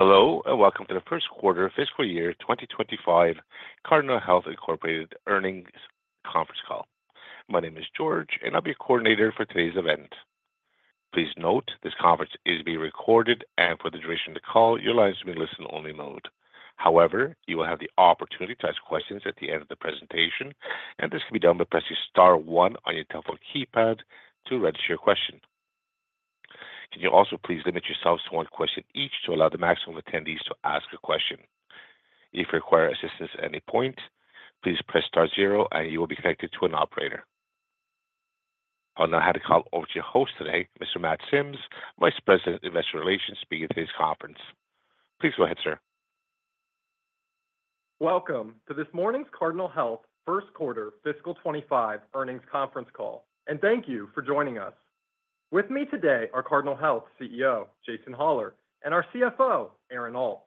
Hello, and welcome to the Q1 of fiscal year 2025, Cardinal Health Incorporated Earnings Conference Call. My name is George, and I'll be your coordinator for today's event. Please note this conference is being recorded, and for the duration of the call, your lines will be in listen-only mode. However, you will have the opportunity to ask questions at the end of the presentation, and this can be done by pressing star one on your telephone keypad to register your question. Can you also please limit yourselves to one question each to allow the maximum attendees to ask a question? If you require assistance at any point, please press star zero, and you will be connected to an operator. I'll now hand the call over to your host today, Mr. Matt Sims, Vice President of Investor Relations, speaking at today's conference. Please go ahead, sir. Welcome to this morning's Cardinal Health Q1 fiscal 2025 earnings conference call, and thank you for joining us. With me today are Cardinal Health CEO Jason Hollar and our CFO Aaron Alt.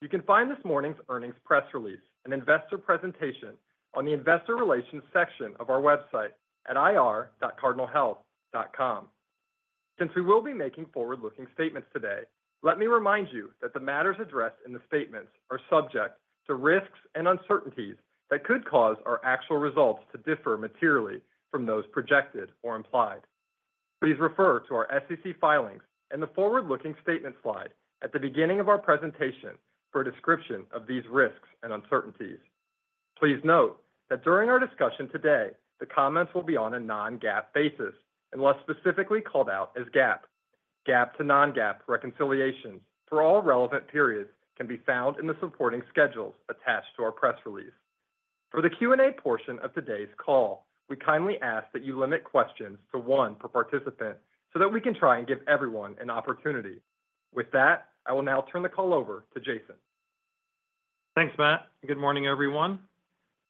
You can find this morning's earnings press release, an investor presentation on the investor relations section of our website at ir.cardinalhealth.com. Since we will be making forward-looking statements today, let me remind you that the matters addressed in the statements are subject to risks and uncertainties that could cause our actual results to differ materially from those projected or implied. Please refer to our SEC filings and the forward-looking statement slide at the beginning of our presentation for a description of these risks and uncertainties. Please note that during our discussion today, the comments will be on a Non-GAAP basis and will specifically be called out as GAAP. GAAP to non-GAAP reconciliations for all relevant periods can be found in the supporting schedules attached to our press release. For the Q&A portion of today's call, we kindly ask that you limit questions to one per participant so that we can try and give everyone an opportunity. With that, I will now turn the call over to Jason. Thanks, Matt. Good morning, everyone.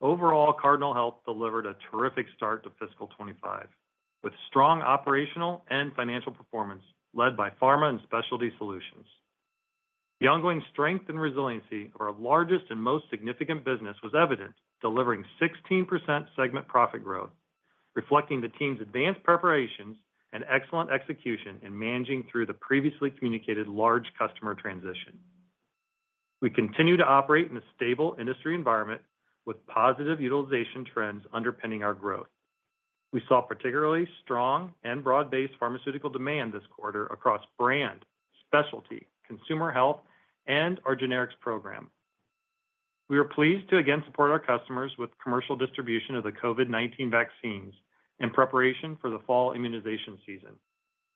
Overall, Cardinal Health delivered a terrific start to fiscal 2025 with strong operational and financial performance led by Pharma and Specialty Solutions. The ongoing strength and resiliency of our largest and most significant business was evident, delivering 16% segment profit growth, reflecting the team's advanced preparations and excellent execution in managing through the previously communicated large customer transition. We continue to operate in a stable industry environment with positive utilization trends underpinning our growth. We saw particularly strong and broad-based pharmaceutical demand this quarter across brand, specialty, consumer health, and our generics program. We are pleased to again support our customers with commercial distribution of the COVID-19 vaccines in preparation for the fall immunization season.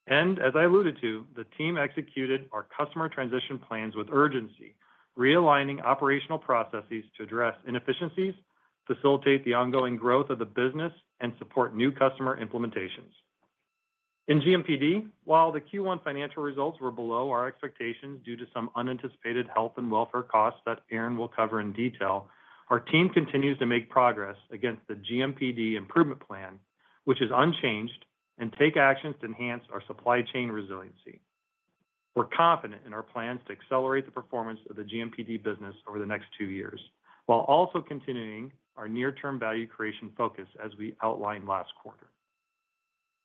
As I alluded to, the team executed our customer transition plans with urgency, realigning operational processes to address inefficiencies, facilitate the ongoing growth of the business, and support new customer implementations. In GMPD, while the Q1 financial results were below our expectations due to some unanticipated health and welfare costs that Aaron will cover in detail, our team continues to make progress against the GMPD improvement plan, which is unchanged, and take actions to enhance our supply chain resiliency. We're confident in our plans to accelerate the performance of the GMPD business over the next two years while also continuing our near-term value creation focus as we outlined last quarter.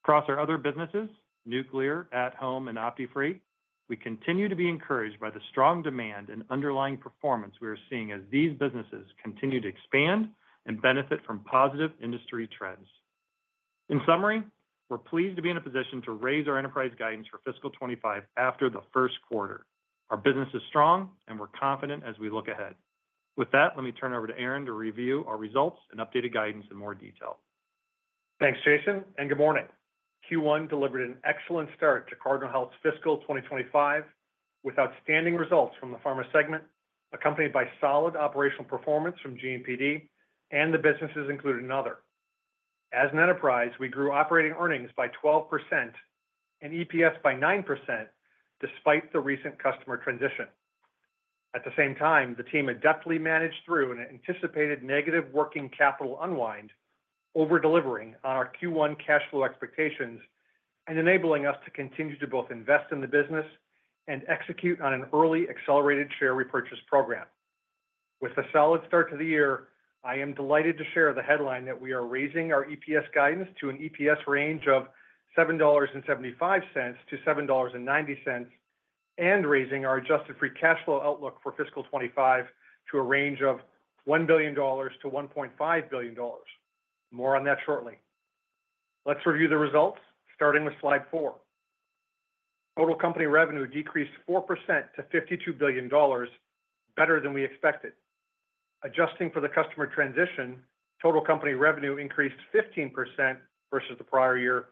Across our Other businesses, Nuclear, at-Home, and OptiFreight, we continue to be encouraged by the strong demand and underlying performance we are seeing as these businesses continue to expand and benefit from positive industry trends. In summary, we're pleased to be in a position to raise our enterprise guidance for fiscal 2025 after the Q1. Our business is strong, and we're confident as we look ahead. With that, let me turn it over to Aaron to review our results and updated guidance in more detail. Thanks, Jason, and good morning. Q1 delivered an excellent start to Cardinal Health's fiscal 2025 with outstanding results from the Pharma segment, accompanied by solid operational performance from GMPD, and the businesses included in Other. As an enterprise, we grew operating earnings by 12% and EPS by 9% despite the recent customer transition. At the same time, the team adeptly managed through an anticipated negative working capital unwind, over-delivering on our Q1 cash flow expectations and enabling us to continue to both invest in the business and execute on an early accelerated share repurchase program. With a solid start to the year, I am delighted to share the headline that we are raising our EPS guidance to an EPS range of $7.75-$7.90 and raising our adjusted free cash flow outlook for fiscal 2025 to a range of $1 billion-$1.5 billion. More on that shortly. Let's review the results, starting with slide four. Total company revenue decreased 4% to $52 billion, better than we expected. Adjusting for the customer transition, total company revenue increased 15% versus the prior year,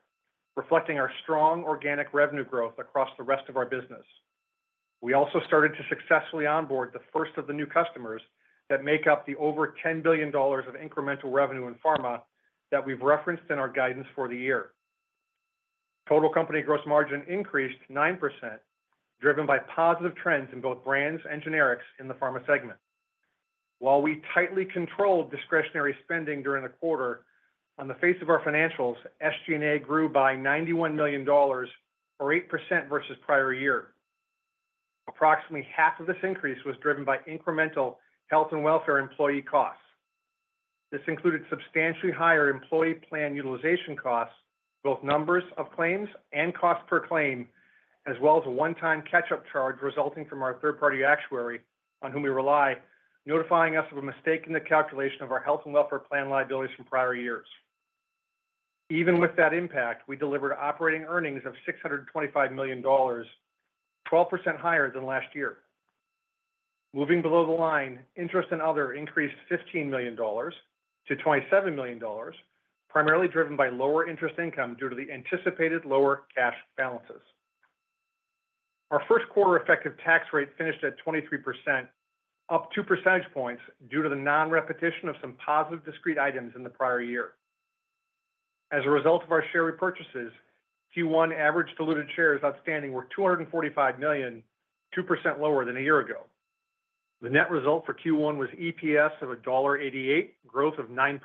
reflecting our strong organic revenue growth across the rest of our business. We also started to successfully onboard the first of the new customers that make up the over $10 billion of incremental revenue in Pharma that we've referenced in our guidance for the year. Total company gross margin increased 9%, driven by positive trends in both brands and generics in the Pharma segment. While we tightly controlled discretionary spending during the quarter, on the face of our financials, SG&A grew by $91 million or 8% versus prior year. Approximately half of this increase was driven by incremental health and welfare employee costs. This included substantially higher employee plan utilization costs, both numbers of claims and cost per claim, as well as a one-time catch-up charge resulting from our third-party actuary on whom we rely, notifying us of a mistake in the calculation of our health and welfare plan liabilities from prior years. Even with that impact, we delivered operating earnings of $625 million, 12% higher than last year. Moving below the line, interest and Other increased $15 million to $27 million, primarily driven by lower interest income due to the anticipated lower cash balances. Our Q1 effective tax rate finished at 23%, up two percentage points due to the non-repetition of some positive discrete items in the prior year. As a result of our share repurchases, Q1 average diluted shares outstanding were 245 million, 2% lower than a year ago. The net result for Q1 was EPS of $1.88, growth of 9%.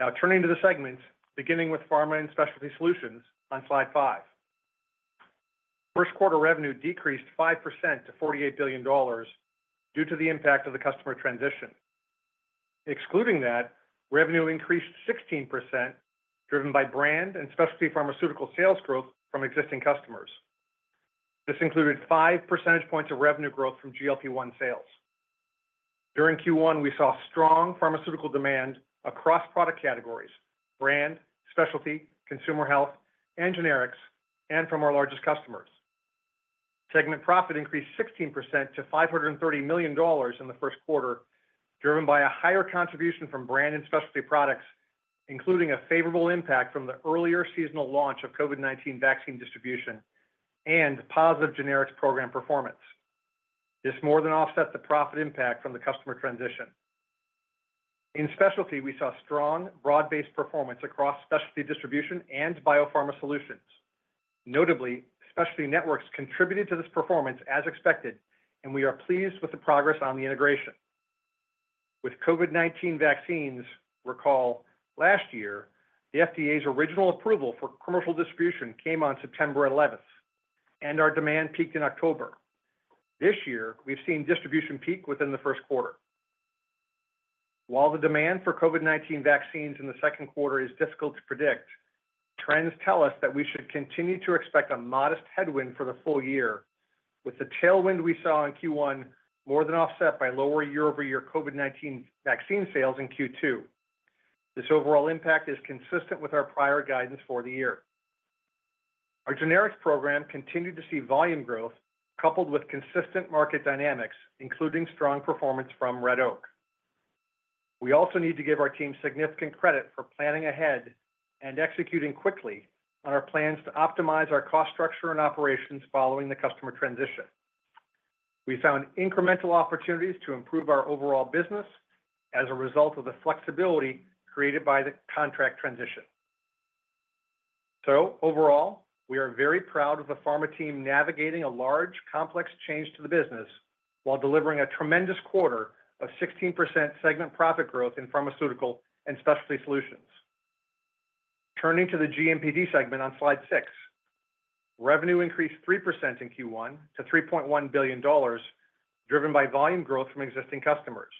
Now turning to the segments, beginning with Pharma and Specialty Solutions on slide five. Q1 revenue decreased 5% to $48 billion due to the impact of the customer transition. Excluding that, revenue increased 16%, driven by brand and specialty pharmaceutical sales growth from existing customers. This included 5 percentage points of revenue growth from GLP-1 sales. During Q1, we saw strong pharmaceutical demand across product categories: brand, specialty, consumer health, and generics, and from our largest customers. Segment profit increased 16% to $530 million in the Q1, driven by a higher contribution from brand and specialty products, including a favorable impact from the earlier seasonal launch of COVID-19 vaccine distribution and positive generics program performance. This more than offsets the profit impact from the customer transition. In Specialty, we saw strong broad-based performance across Specialty Distribution and Biopharma Solutions. Notably, Specialty Networks contributed to this performance as expected, and we are pleased with the progress on the integration. With COVID-19 vaccines recall last year, the FDA's original approval for commercial distribution came on September 11th, and our demand peaked in October. This year, we've seen distribution peak within the Q1. While the demand for COVID-19 vaccines in the Q2 is difficult to predict, trends tell us that we should continue to expect a modest headwind for the full year, with the tailwind we saw in Q1 more than offset by lower year-over-year COVID-19 vaccine sales in Q2. This overall impact is consistent with our prior guidance for the year. Our generics program continued to see volume growth coupled with consistent market dynamics, including strong performance from Red Oak. We also need to give our team significant credit for planning ahead and executing quickly on our plans to optimize our cost structure and operations following the customer transition. We found incremental opportunities to improve our overall business as a result of the flexibility created by the contract transition. So overall, we are very proud of the Pharma team navigating a large, complex change to the business while delivering a tremendous quarter of 16% segment profit growth in Pharmaceutical and Specialty Solutions. Turning to the GMPD segment on slide six, revenue increased 3% in Q1 to $3.1 billion, driven by volume growth from existing customers.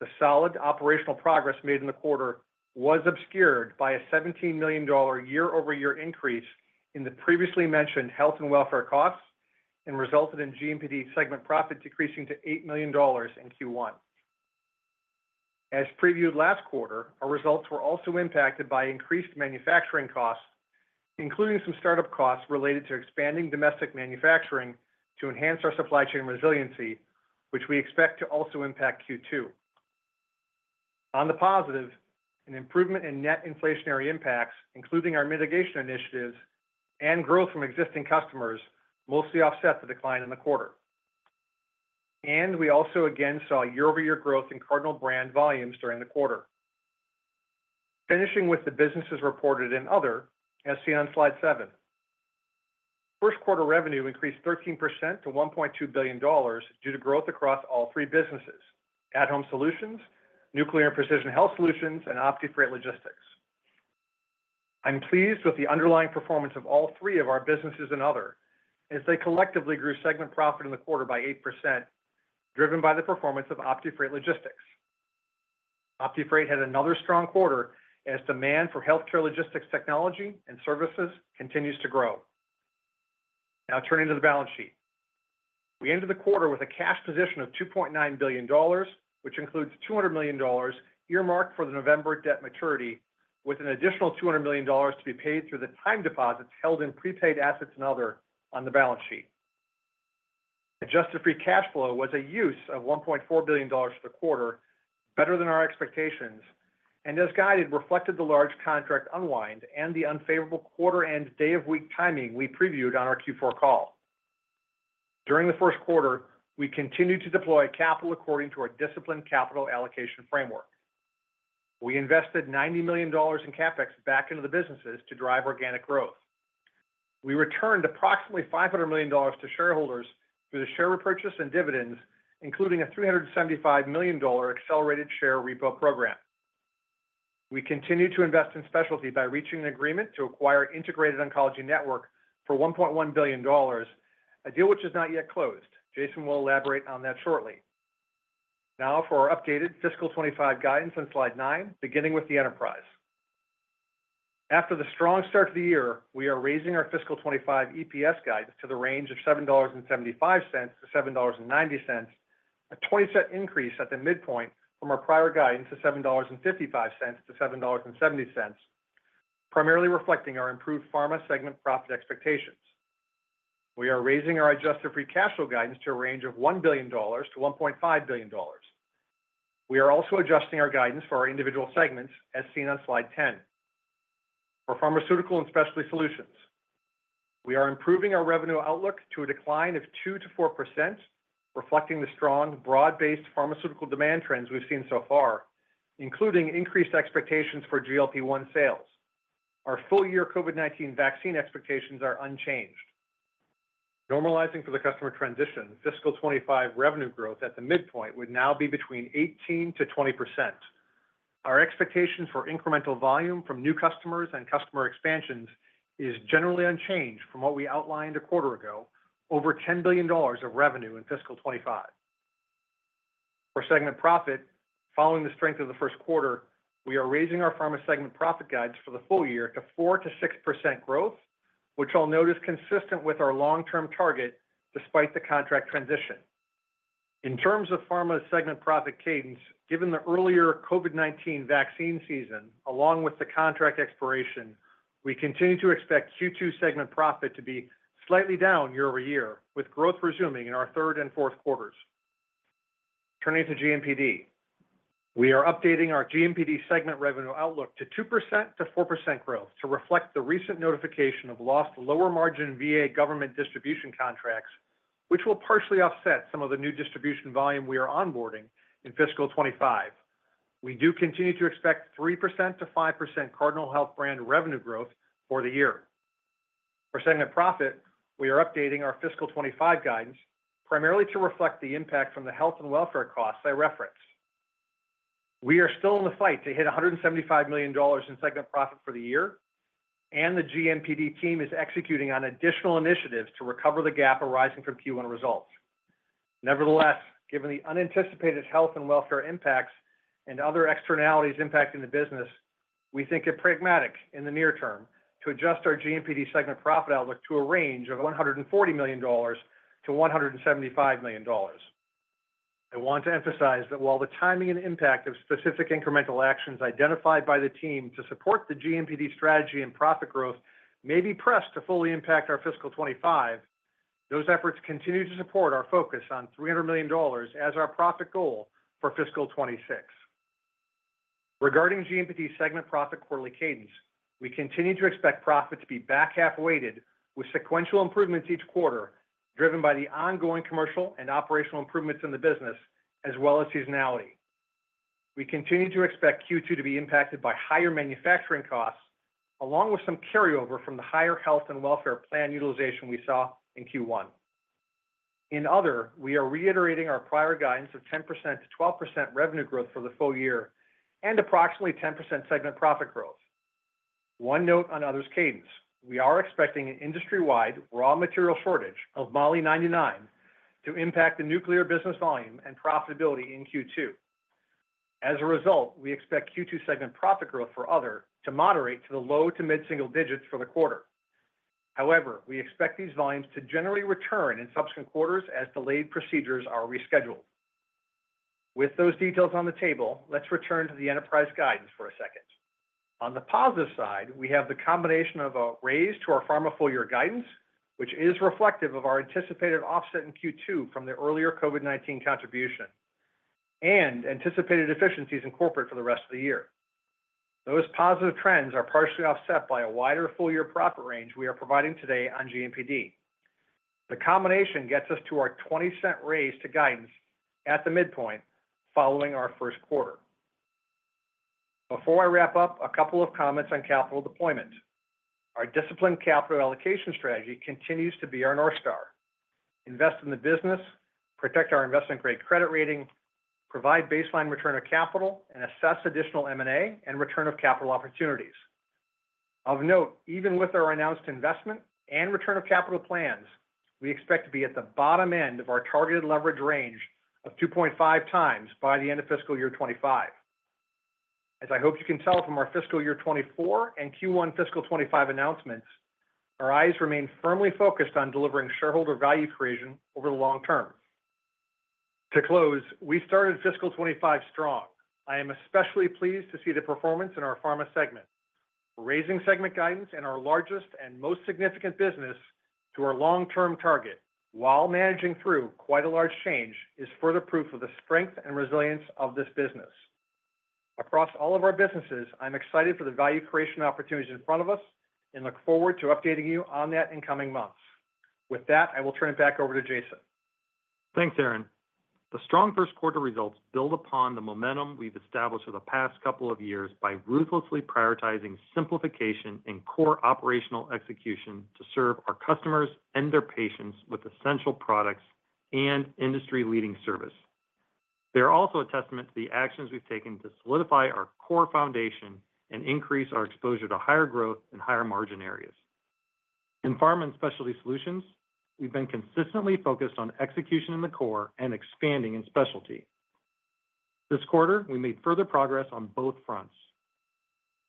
The solid operational progress made in the quarter was obscured by a $17 million year-over-year increase in the previously mentioned health and welfare costs and resulted in GMPD segment profit decreasing to $8 million in Q1. As previewed last quarter, our results were also impacted by increased manufacturing costs, including some startup costs related to expanding domestic manufacturing to enhance our supply chain resiliency, which we expect to also impact Q2. On the positive, an improvement in net inflationary impacts, including our mitigation initiatives and growth from existing customers, mostly offset the decline in the quarter, and we also again saw year-over-year growth in Cardinal brand volumes during the quarter. Finishing with the businesses reported in Other, as seen on slide seven, Q1 revenue increased 13% to $1.2 billion due to growth across all three businesses: at-Home Solutions, Nuclear and Precision Health Solutions, and OptiFreight Logistics. I'm pleased with the underlying performance of all three of our businesses in other as they collectively grew segment profit in the quarter by 8%, driven by the performance of OptiFreight Logistics. OptiFreight had another strong quarter as demand for healthcare logistics technology and services continues to grow. Now turning to the balance sheet, we ended the quarter with a cash position of $2.9 billion, which includes $200 million earmarked for the November debt maturity, with an additional $200 million to be paid through the time deposits held in prepaid assets and Other on the balance sheet. Adjusted free cash flow was a use of $1.4 billion for the quarter, better than our expectations, and as guided reflected the large contract unwind and the unfavorable quarter-end day-of-week timing we previewed on our Q4 call. During the Q1, we continued to deploy capital according to our disciplined capital allocation framework. We invested $90 million in CapEx back into the businesses to drive organic growth. We returned approximately $500 million to shareholders through the share repurchase and dividends, including a $375 million accelerated share repo program. We continue to invest in specialty by reaching an agreement to acquire Integrated Oncology Network for $1.1 billion, a deal which is not yet closed. Jason will elaborate on that shortly. Now for our updated fiscal 2025 guidance on slide nine, beginning with the enterprise. After the strong start to the year, we are raising our fiscal 2025 EPS guidance to the range of $7.75-$7.90, a 20% increase at the midpoint from our prior guidance of $7.55-$7.70, primarily reflecting our improved Pharma segment profit expectations. We are raising our adjusted free cash flow guidance to a range of $1 billion-$1.5 billion. We are also adjusting our guidance for our individual segments, as seen on slide 10. For Pharmaceutical and Specialty Solutions, we are improving our revenue outlook to a decline of 2%-4%, reflecting the strong broad-based pharmaceutical demand trends we've seen so far, including increased expectations for GLP-1 sales. Our full-year COVID-19 vaccine expectations are unchanged. Normalizing for the customer transition, fiscal 2025 revenue growth at the midpoint would now be between 18%-20%. Our expectations for incremental volume from new customers and customer expansions is generally unchanged from what we outlined a quarter ago, over $10 billion of revenue in fiscal 2025. For segment profit, following the strength of the Q1, we are raising our Pharma segment profit guidance for the full year to 4%-6% growth, which I'll note is consistent with our long-term target despite the contract transition. In terms of Pharma segment profit cadence, given the earlier COVID-19 vaccine season, along with the contract expiration, we continue to expect Q2 segment profit to be slightly down year-over-year, with growth resuming in our Q3 and Q4. Turning to GMPD, we are updating our GMPD segment revenue outlook to 2%-4% growth to reflect the recent notification of lost lower margin VA government distribution contracts, which will partially offset some of the new distribution volume we are onboarding in fiscal 2025. We do continue to expect 3%-5% Cardinal Health brand revenue growth for the year. For segment profit, we are updating our fiscal 2025 guidance, primarily to reflect the impact from the health and welfare costs I referenced. We are still in the fight to hit $175 million in segment profit for the year, and the GMPD team is executing on additional initiatives to recover the gap arising from Q1 results. Nevertheless, given the unanticipated health and welfare impacts and other externalities impacting the business, we think it's pragmatic in the near term to adjust our GMPD segment profit outlook to a range of $140 million-$175 million. I want to emphasize that while the timing and impact of specific incremental actions identified by the team to support the GMPD strategy and profit growth may be pressed to fully impact our fiscal 2025, those efforts continue to support our focus on $300 million as our profit goal for fiscal 2026. Regarding GMPD segment profit quarterly cadence, we continue to expect profit to be back half-weighted with sequential improvements each quarter, driven by the ongoing commercial and operational improvements in the business, as well as seasonality. We continue to expect Q2 to be impacted by higher manufacturing costs, along with some carryover from the higher health and welfare plan utilization we saw in Q1. In Other, we are reiterating our prior guidance of 10%-12% revenue growth for the full year and approximately 10% segment profit growth. One note on Other's cadence, we are expecting an industry-wide raw material shortage of Molybdenum-99 to impact the nuclear business volume and profitability in Q2. As a result, we expect Q2 segment profit growth for Other to moderate to the low to mid-single digits for the quarter. However, we expect these volumes to generally return in subsequent quarters as delayed procedures are rescheduled. With those details on the table, let's return to the enterprise guidance for a second. On the positive side, we have the combination of a raise to our Pharma full-year guidance, which is reflective of our anticipated offset in Q2 from the earlier COVID-19 contribution, and anticipated efficiencies in corporate for the rest of the year. Those positive trends are partially offset by a wider full-year profit range we are providing today on GMPD. The combination gets us to our 20% raise to guidance at the midpoint following our Q1. Before I wrap up, a couple of comments on capital deployment. Our disciplined capital allocation strategy continues to be our North Star. Invest in the business, protect our investment-grade credit rating, provide baseline return of capital, and assess additional M&A and return of capital opportunities. Of note, even with our announced investment and return of capital plans, we expect to be at the bottom end of our targeted leverage range of 2.5 times by the end of fiscal year 2025. As I hope you can tell from our fiscal year 2024 and Q1 fiscal 2025 announcements, our eyes remain firmly focused on delivering shareholder value creation over the long term. To close, we started fiscal 2025 strong. I am especially pleased to see the performance in our Pharma segment, raising segment guidance in our largest and most significant business to our long-term target, while managing through quite a large change is further proof of the strength and resilience of this business. Across all of our businesses, I'm excited for the value creation opportunities in front of us and look forward to updating you on that in coming months. With that, I will turn it back over to Jason. Thanks, Aaron. The strong Q1 results build upon the momentum we've established for the past couple of years by ruthlessly prioritizing simplification and core operational execution to serve our customers and their patients with essential products and industry-leading service. They are also a testament to the actions we've taken to solidify our core foundation and increase our exposure to higher growth and higher margin areas. In Pharma and specialty solutions, we've been consistently focused on execution in the core and expanding in specialty. This quarter, we made further progress on both fronts.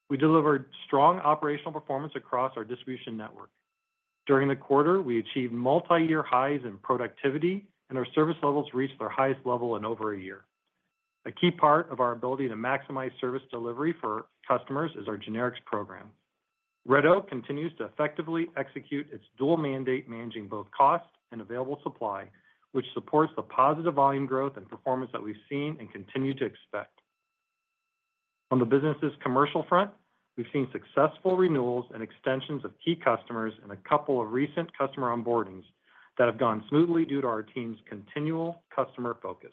We delivered strong operational performance across our distribution network. During the quarter, we achieved multi-year highs in productivity, and our service levels reached their highest level in over a year. A key part of our ability to maximize service delivery for customers is our generics program. Red Oak continues to effectively execute its dual mandate, managing both cost and available supply, which supports the positive volume growth and performance that we've seen and continue to expect. On the business's commercial front, we've seen successful renewals and extensions of key customers and a couple of recent customer onboardings that have gone smoothly due to our team's continual customer focus.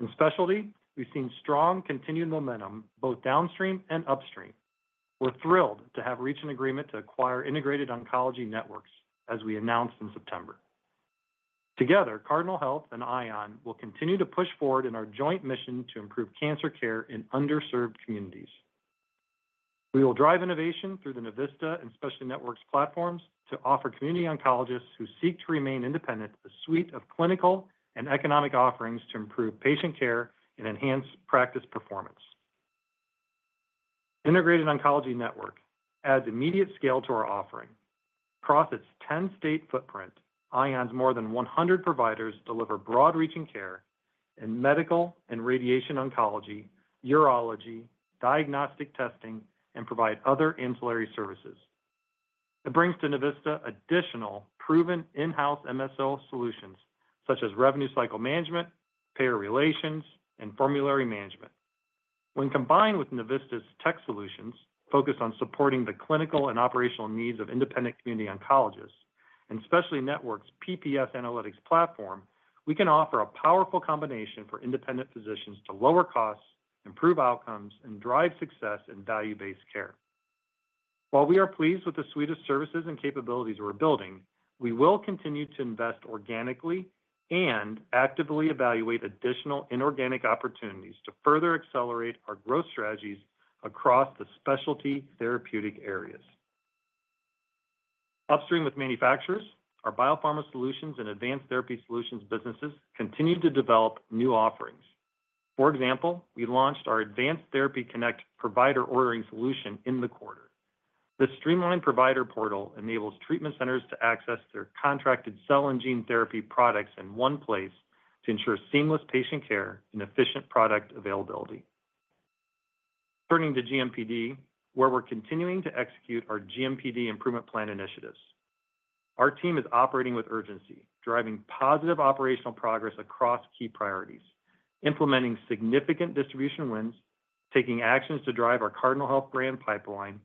In specialty, we've seen strong continued momentum both downstream and upstream. We're thrilled to have reached an agreement to acquire Integrated Oncology Network, as we announced in September. Together, Cardinal Health and ION will continue to push forward in our joint mission to improve cancer care in underserved communities. We will drive innovation through the Navista and Specialty Networks platforms to offer community oncologists who seek to remain independent a suite of clinical and economic offerings to improve patient care and enhance practice performance. Integrated Oncology Network (ION) adds immediate scale to our offering. Across its 10-state footprint, ION's more than 100 providers deliver broad-reaching care in Medical and radiation oncology, urology, diagnostic testing, and provide other ancillary services. It brings to Navista additional proven in-house MSO solutions, such as revenue cycle management, payer relations, and formulary management. When combined with Navista's tech solutions focused on supporting the clinical and operational needs of independent community oncologists and Specialty Networks' PPS Analytics platform, we can offer a powerful combination for independent physicians to lower costs, improve outcomes, and drive success in value-based care. While we are pleased with the suite of services and capabilities we're building, we will continue to invest organically and actively evaluate additional inorganic opportunities to further accelerate our growth strategies across the specialty therapeutic areas. Upstream with manufacturers, our Biopharma Solutions and Advanced Therapy Solutions businesses continue to develop new offerings. For example, we launched our Advanced Therapy Connect provider ordering solution in the quarter. The streamlined provider portal enables treatment centers to access their contracted cell and gene therapy products in one place to ensure seamless patient care and efficient product availability. Turning to GMPD, where we're continuing to execute our GMPD improvement plan initiatives. Our team is operating with urgency, driving positive operational progress across key priorities, implementing significant distribution wins, taking actions to drive our Cardinal Health brand pipeline,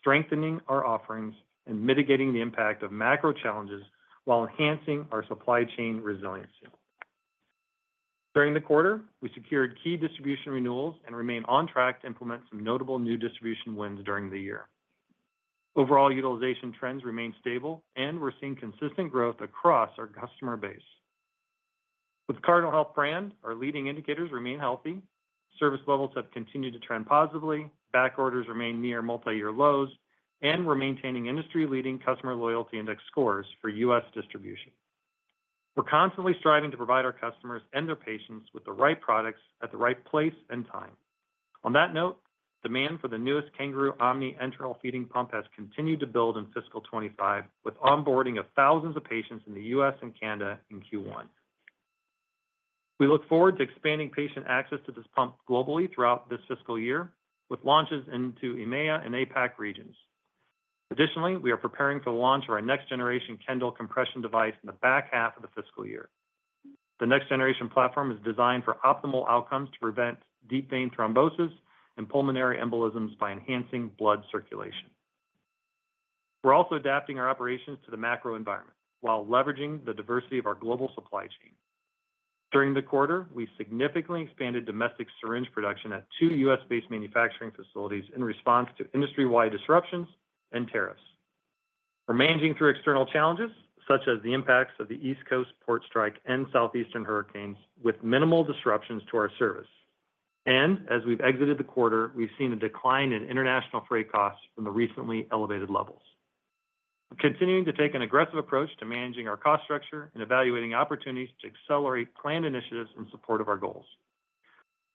strengthening our offerings, and mitigating the impact of macro challenges while enhancing our supply chain resiliency. During the quarter, we secured key distribution renewals and remain on track to implement some notable new distribution wins during the year. Overall, utilization trends remain stable, and we're seeing consistent growth across our customer base. With Cardinal Health brand, our leading indicators remain healthy, service levels have continued to trend positively, backorders remain near multi-year lows, and we're maintaining industry-leading customer loyalty index scores for U.S. distribution. We're constantly striving to provide our customers and their patients with the right products at the right place and time. On that note, demand for the newest Kangaroo OMNI enteral feeding pump has continued to build in fiscal 2025, with onboarding of thousands of patients in the U.S. and Canada in Q1. We look forward to expanding patient access to this pump globally throughout this fiscal year, with launches into EMEA and APAC regions. Additionally, we are preparing for the launch of our next-generation Kendall compression device in the back half of the fiscal year. The next-generation platform is designed for optimal outcomes to prevent deep vein thrombosis and pulmonary embolisms by enhancing blood circulation. We're also adapting our operations to the macro environment while leveraging the diversity of our global supply chain. During the quarter, we significantly expanded domestic syringe production at two U.S.-based manufacturing facilities in response to industry-wide disruptions and tariffs. We're managing through external challenges, such as the impacts of the East Coast port strike and southeastern hurricanes, with minimal disruptions to our service. And as we've exited the quarter, we've seen a decline in international freight costs from the recently elevated levels. We're continuing to take an aggressive approach to managing our cost structure and evaluating opportunities to accelerate planned initiatives in support of our goals.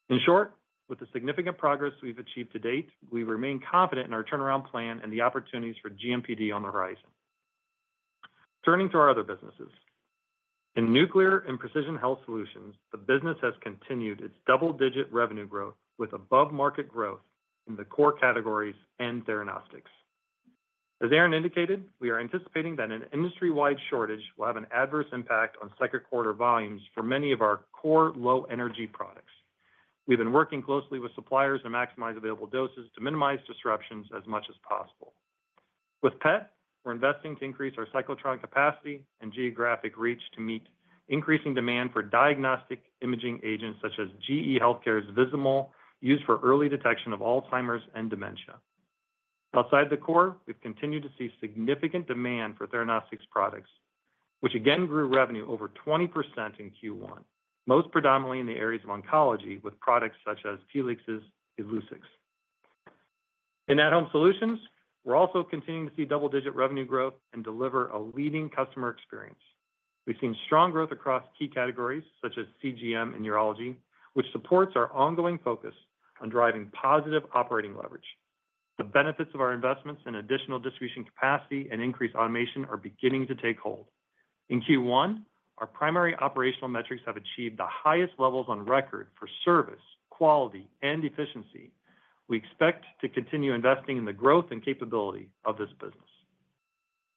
In short, with the significant progress we've achieved to date, we remain confident in our turnaround plan and the opportunities for GMPD on the horizon. Turning to our Other businesses. In Nuclear and Precision Health Solutions, the business has continued its double-digit revenue growth with above-market growth in the core categories and diagnostics. As Aaron indicated, we are anticipating that an industry-wide shortage will have an adverse impact on second-quarter volumes for many of our core low-energy products. We've been working closely with suppliers to maximize available doses to minimize disruptions as much as possible. With PET, we're investing to increase our cyclotron capacity and geographic reach to meet increasing demand for diagnostic imaging agents such as GE Healthcare's Vizamyl used for early detection of Alzheimer's and dementia. Outside the core, we've continued to see significant demand for theranostics products, which again grew revenue over 20% in Q1, most predominantly in the areas of oncology with products such as Telix's Illuccix. In at-Home Solutions, we're also continuing to see double-digit revenue growth and deliver a leading customer experience. We've seen strong growth across key categories such as CGM and urology, which supports our ongoing focus on driving positive operating leverage. The benefits of our investments in additional distribution capacity and increased automation are beginning to take hold. In Q1, our primary operational metrics have achieved the highest levels on record for service, quality, and efficiency. We expect to continue investing in the growth and capability of this business,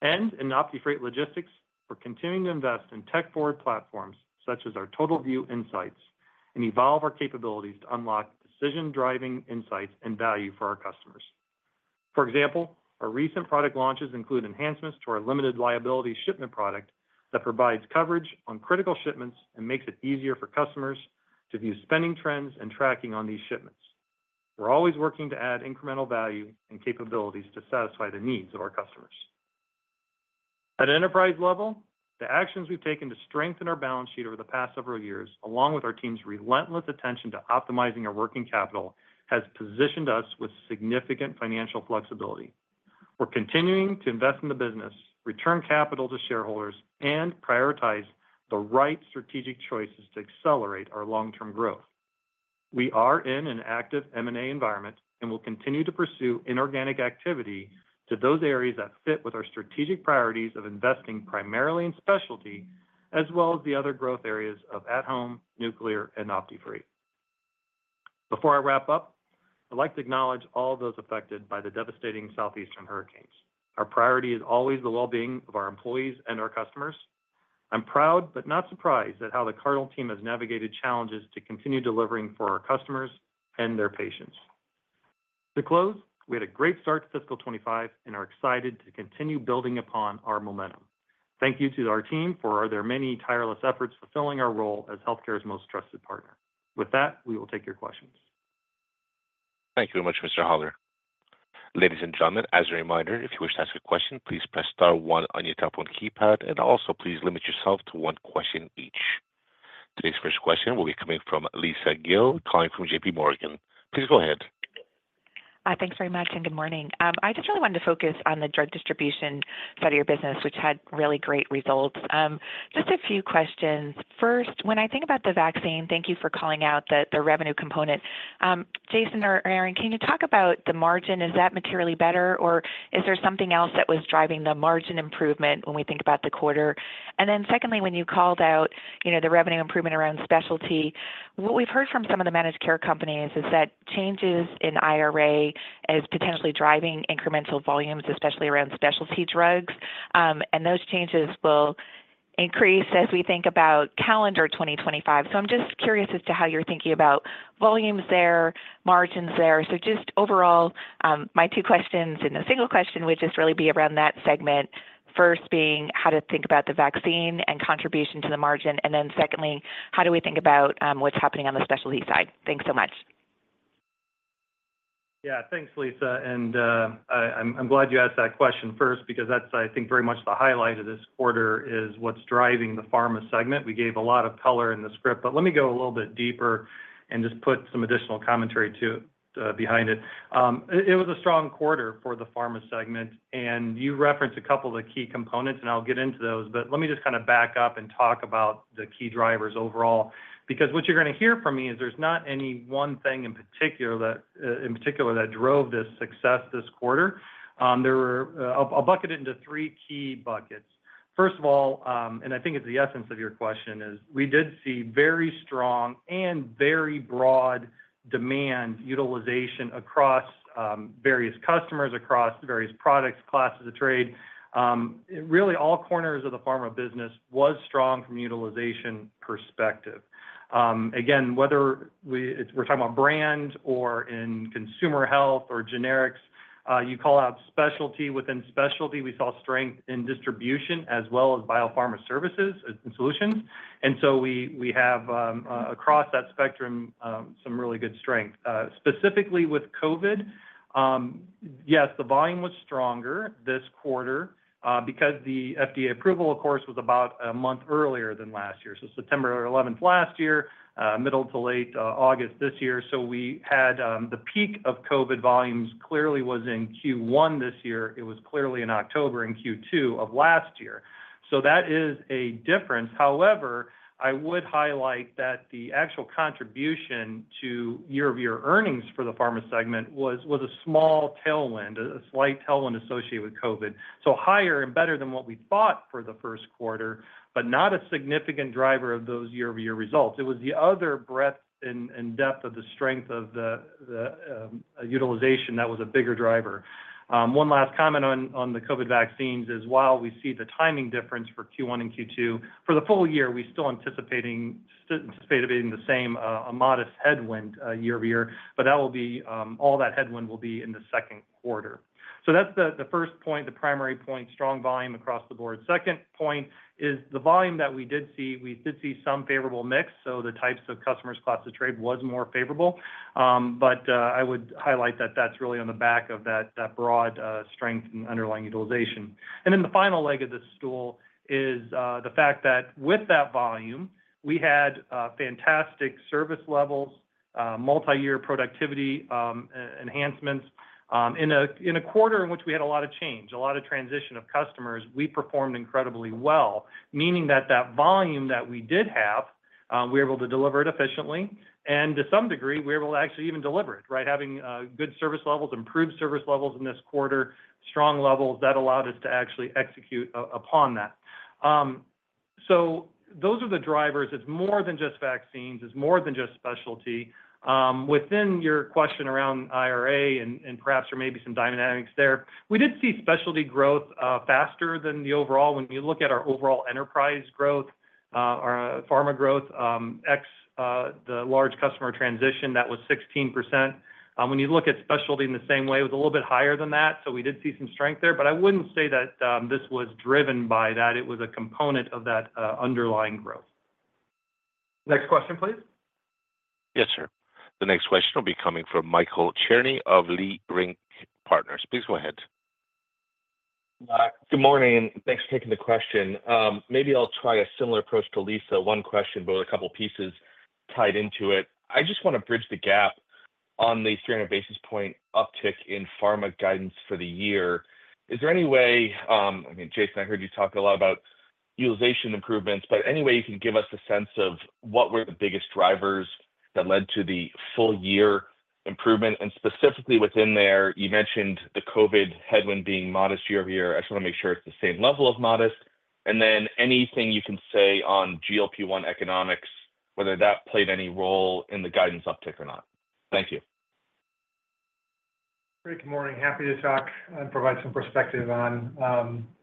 and in OptiFreight Logistics, we're continuing to invest in tech-forward platforms such as our TotalView Insights and evolve our capabilities to unlock decision-driving insights and value for our customers. For example, our recent product launches include enhancements to our Limited Liability Shipment product that provides coverage on critical shipments and makes it easier for customers to view spending trends and tracking on these shipments. We're always working to add incremental value and capabilities to satisfy the needs of our customers. At an enterprise level, the actions we've taken to strengthen our balance sheet over the past several years, along with our team's relentless attention to optimizing our working capital, has positioned us with significant financial flexibility. We're continuing to invest in the business, return capital to shareholders, and prioritize the right strategic choices to accelerate our long-term growth. We are in an active M&A environment and will continue to pursue inorganic activity to those areas that fit with our strategic priorities of investing primarily in specialty, as well as the other growth areas of at-Home, Nuclear, and OptiFreight. Before I wrap up, I'd like to acknowledge all those affected by the devastating southeastern hurricanes. Our priority is always the well-being of our employees and our customers. I'm proud, but not surprised, at how the Cardinal team has navigated challenges to continue delivering for our customers and their patients. To close, we had a great start to fiscal 25 and are excited to continue building upon our momentum. Thank you to our team for their many tireless efforts fulfilling our role as healthcare's most trusted partner. With that, we will take your questions. Thank you very much, Mr. Hollar. Ladies and gentlemen, as a reminder, if you wish to ask a question, please press star one on your telephone keypad, and also please limit yourself to one question each. Today's first question will be coming from Lisa Gill, calling from JPMorgan. Please go ahead. Thanks very much, and good morning. I just really wanted to focus on the drug distribution side of your business, which had really great results. Just a few questions. First, when I think about the vaccine, thank you for calling out the revenue component. Jason or Aaron, can you talk about the margin? Is that materially better, or is there something else that was driving the margin improvement when we think about the quarter? And then secondly, when you called out the revenue improvement around specialty, what we've heard from some of the managed care companies is that changes in IRA is potentially driving incremental volumes, especially around specialty drugs, and those changes will increase as we think about calendar 2025. So I'm just curious as to how you're thinking about volumes there, margins there. So just overall, my two questions and a single question would just really be around that segment, first being how to think about the vaccine and contribution to the margin, and then secondly, how do we think about what's happening on the specialty side? Thanks so much. Yeah, thanks, Lisa. And I'm glad you asked that question first because that's, I think, very much the highlight of this quarter, is what's driving the Pharma segment. We gave a lot of color in the script, but let me go a little bit deeper and just put some additional commentary behind it. It was a strong quarter for the Pharma segment, and you referenced a couple of the key components, and I'll get into those, but let me just kind of back up and talk about the key drivers overall because what you're going to hear from me is there's not any one thing in particular that drove this success this quarter. I'll bucket it into three key buckets. First of all, and I think it's the essence of your question, is we did see very strong and very broad demand utilization across various customers, across various products, classes of trade. Really, all corners of the Pharma business was strong from a utilization perspective. Again, whether we're talking about brand or in consumer health or generics, you call out specialty. Within specialty, we saw strength in distribution as well as biopharma services and solutions, and so we have, across that spectrum, some really good strength. Specifically with COVID, yes, the volume was stronger this quarter because the FDA approval, of course, was about a month earlier than last year, so September 11th last year, middle to late August this year, so we had the peak of COVID volumes clearly was in Q1 this year. It was clearly in October and Q2 of last year, so that is a difference. However, I would highlight that the actual contribution to year-over-year earnings for the Pharma segment was a small tailwind, a slight tailwind associated with COVID. So higher and better than what we thought for the Q1, but not a significant driver of those year-over-year results. It was the other breadth and depth of the strength of the utilization that was a bigger driver. One last comment on the COVID vaccines is, while we see the timing difference for Q1 and Q2 for the full year, we still anticipating the same modest headwind year-over-year, but all that headwind will be in the Q2. So that's the first point, the primary point, strong volume across the board. Second point is the volume that we did see, we did see some favorable mix. The types of customers, class of trade was more favorable, but I would highlight that that's really on the back of that broad strength and underlying utilization. And then the final leg of the stool is the fact that with that volume, we had fantastic service levels, multi-year productivity enhancements. In a quarter in which we had a lot of change, a lot of transition of customers, we performed incredibly well, meaning that that volume that we did have, we were able to deliver it efficiently. And to some degree, we were able to actually even deliver it, right? Having good service levels, improved service levels in this quarter, strong levels, that allowed us to actually execute upon that. So those are the drivers. It's more than just vaccines. It's more than just specialty. Within your question around IRA and perhaps there may be some dynamics there, we did see specialty growth faster than the overall. When you look at our overall enterprise growth, our Pharma growth, ex the large customer transition, that was 16%. When you look at specialty in the same way, it was a little bit higher than that. So we did see some strength there, but I wouldn't say that this was driven by that. It was a component of that underlying growth. Next question, please. Yes, sir. The next question will be coming from Michael Cherney of Leerink Partners. Please go ahead. Good morning. Thanks for taking the question. Maybe I'll try a similar approach to Lisa. One question, but with a couple of pieces tied into it. I just want to bridge the gap on the 300 basis point uptick in Pharma guidance for the year. Is there any way? I mean, Jason, I heard you talk a lot about utilization improvements, but any way you can give us a sense of what were the biggest drivers that led to the full-year improvement? And specifically within there, you mentioned the COVID headwind being modest year-over-year. I just want to make sure it's the same level of modest. And then anything you can say on GLP-1 economics, whether that played any role in the guidance uptick or not. Thank you. Great. Good morning. Happy to talk and provide some perspective on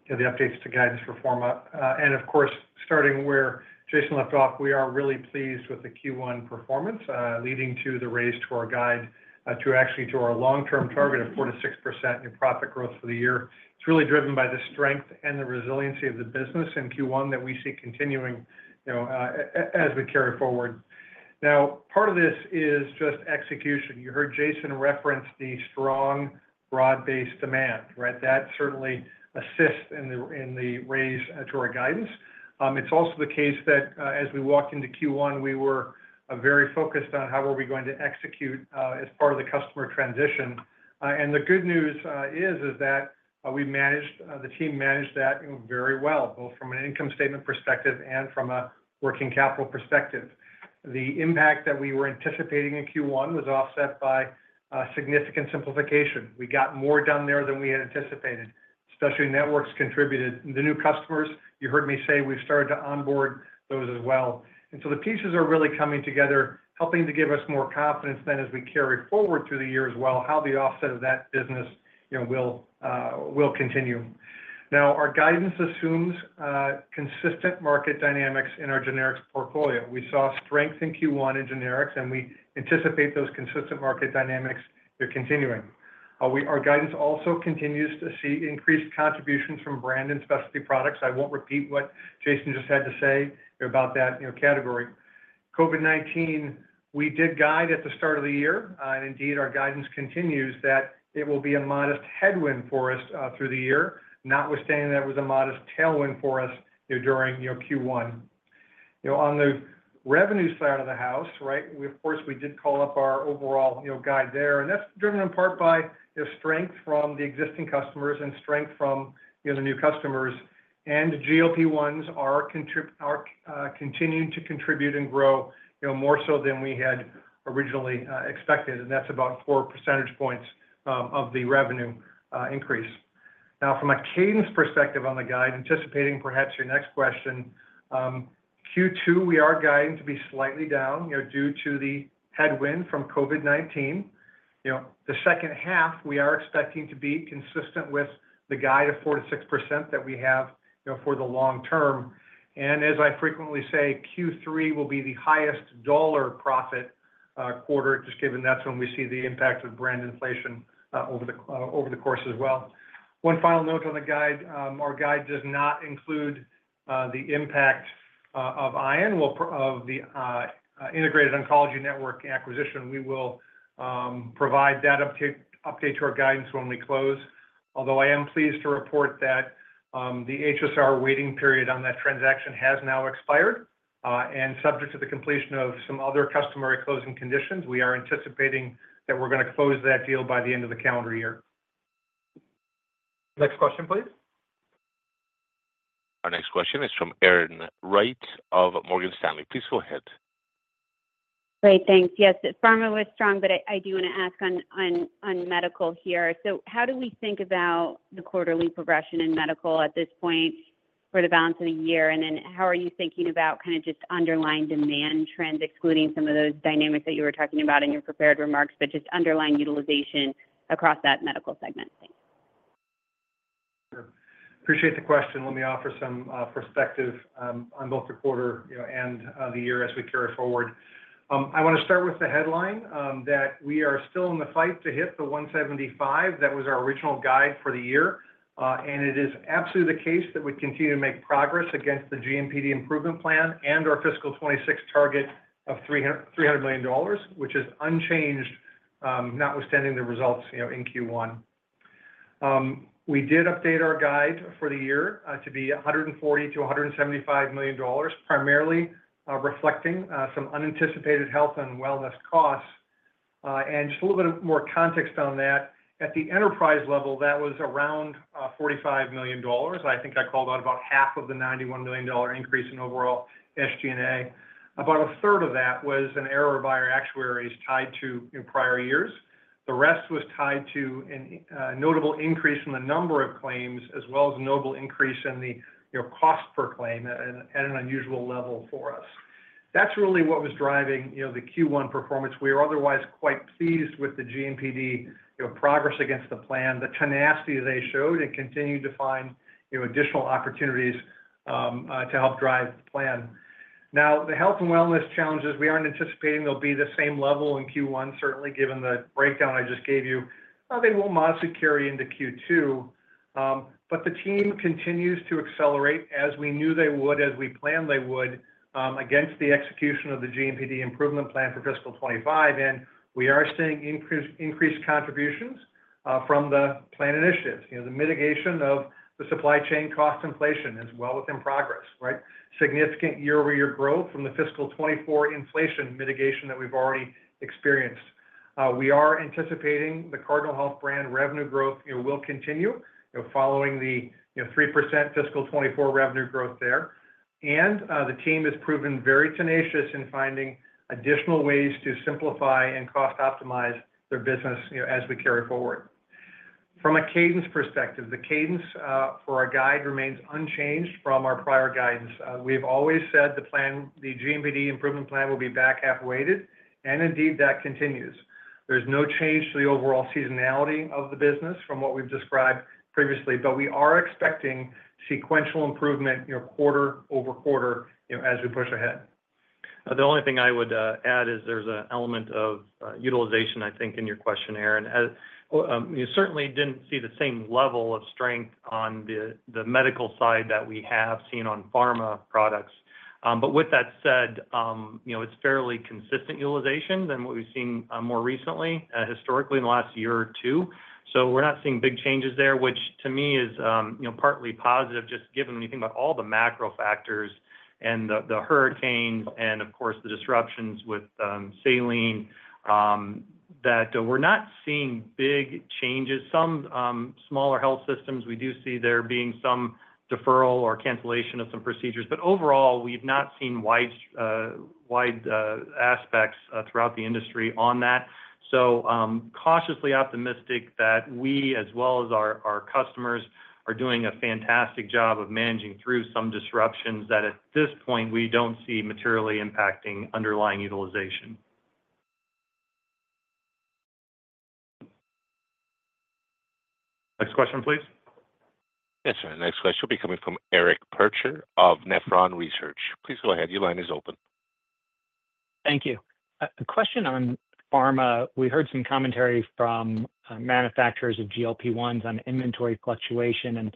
the updates to guidance for Pharma, and of course, starting where Jason left off, we are really pleased with the Q1 performance leading to the raise to our guidance to actually our long-term target of 4%-6% in profit growth for the year. It's really driven by the strength and the resiliency of the business in Q1 that we see continuing as we carry forward. Now, part of this is just execution. You heard Jason reference the strong broad-based demand, right? That certainly assists in the raise to our guidance. It's also the case that as we walked into Q1, we were very focused on how were we going to execute as part of the customer transition, and the good news is that the team managed that very well, both from an income statement perspective and from a working capital perspective. The impact that we were anticipating in Q1 was offset by significant simplification. We got more done there than we had anticipated. Specialty Networks contributed. The new customers, you heard me say, we've started to onboard those as well. And so the pieces are really coming together, helping to give us more confidence, then, as we carry forward through the year as well, how the offset of that business will continue. Now, our guidance assumes consistent market dynamics in our generics portfolio. We saw strength in Q1 in generics, and we anticipate those consistent market dynamics continuing. Our guidance also continues to see increased contributions from brand and specialty products. I won't repeat what Jason just had to say about that category. COVID-19, we did guide at the start of the year, and indeed, our guidance continues that it will be a modest headwind for us through the year, notwithstanding that it was a modest tailwind for us during Q1. On the revenue side of the house, right, of course, we did call up our overall guide there, and that's driven in part by strength from the existing customers and strength from the new customers. And GLP-1s are continuing to contribute and grow more so than we had originally expected, and that's about four percentage points of the revenue increase. Now, from a cadence perspective on the guide, anticipating perhaps your next question, Q2, we are guiding to be slightly down due to the headwind from COVID-19. The second half, we are expecting to be consistent with the guide of 4%-6% that we have for the long term. And as I frequently say, Q3 will be the highest dollar profit quarter, just given that's when we see the impact of brand inflation over the course as well. One final note on the guide, our guide does not include the impact of ION, of the Integrated Oncology Network acquisition. We will provide that update to our guidance when we close. Although I am pleased to report that the HSR waiting period on that transaction has now expired, and subject to the completion of some other customary closing conditions, we are anticipating that we're going to close that deal by the end of the calendar year. Next question, please. Our next question is from Erin Wright of Morgan Stanley. Please go ahead. Great. Thanks. Yes, Pharma was strong, but I do want to ask on medical here. So how do we think about the quarterly progression in medical at this point for the balance of the year? And then how are you thinking about kind of just underlying demand trends, excluding some of those dynamics that you were talking about in your prepared remarks, but just underlying utilization across that medical segment? Appreciate the question. Let me offer some perspective on both the quarter and the year as we carry forward. I want to start with the headline that we are still in the fight to hit the 175. That was our original guide for the year, and it is absolutely the case that we continue to make progress against the GMPD improvement plan and our fiscal 2026 target of $300 million, which is unchanged, notwithstanding the results in Q1. We did update our guide for the year to be $140 million-$175 million, primarily reflecting some unanticipated Health and Wellness costs. And just a little bit more context on that. At the enterprise level, that was around $45 million. I think I called out about half of the $91 million increase in overall SG&A. About a third of that was an error by our actuaries tied to prior years. The rest was tied to a notable increase in the number of claims, as well as a notable increase in the cost per claim at an unusual level for us. That's really what was driving the Q1 performance. We are otherwise quite pleased with the GMPD progress against the plan, the tenacity they showed, and continue to find additional opportunities to help drive the plan. Now, the Health and Wellness challenges, we aren't anticipating they'll be the same level in Q1, certainly given the breakdown I just gave you. They will modestly carry into Q2, but the team continues to accelerate as we knew they would, as we planned they would, against the execution of the GMPD improvement plan for fiscal 2025, and we are seeing increased contributions from the plan initiatives, the mitigation of the supply chain cost inflation as well within progress, right? Significant year-over-year growth from the fiscal 2024 inflation mitigation that we've already experienced. We are anticipating the Cardinal Health brand revenue growth will continue following the 3% fiscal 2024 revenue growth there, and the team has proven very tenacious in finding additional ways to simplify and cost optimize their business as we carry forward. From a cadence perspective, the cadence for our guide remains unchanged from our prior guidance. We have always said the GMPD improvement plan will be back half-weighted, and indeed, that continues. There's no change to the overall seasonality of the business from what we've described previously, but we are expecting sequential improvement quarter over quarter as we push ahead. The only thing I would add is there's an element of utilization, I think, in your question, Aaron. You certainly didn't see the same level of strength on the medical side that we have seen on Pharma products. But with that said, it's fairly consistent utilization than what we've seen more recently, historically in the last year or two. So we're not seeing big changes there, which to me is partly positive, just given when you think about all the macro factors and the hurricanes and, of course, the disruptions with saline, that we're not seeing big changes. Some smaller health systems, we do see there being some deferral or cancellation of some procedures. But overall, we've not seen wide aspects throughout the industry on that. So cautiously optimistic that we, as well as our customers, are doing a fantastic job of managing through some disruptions that at this point, we don't see materially impacting underlying utilization. Next question, please. Yes, sir. Next question will be coming from Eric Percher of Nephron Research. Please go ahead. Your line is open. Thank you. A question on Pharma. We heard some commentary from manufacturers of GLP-1s on inventory fluctuation, and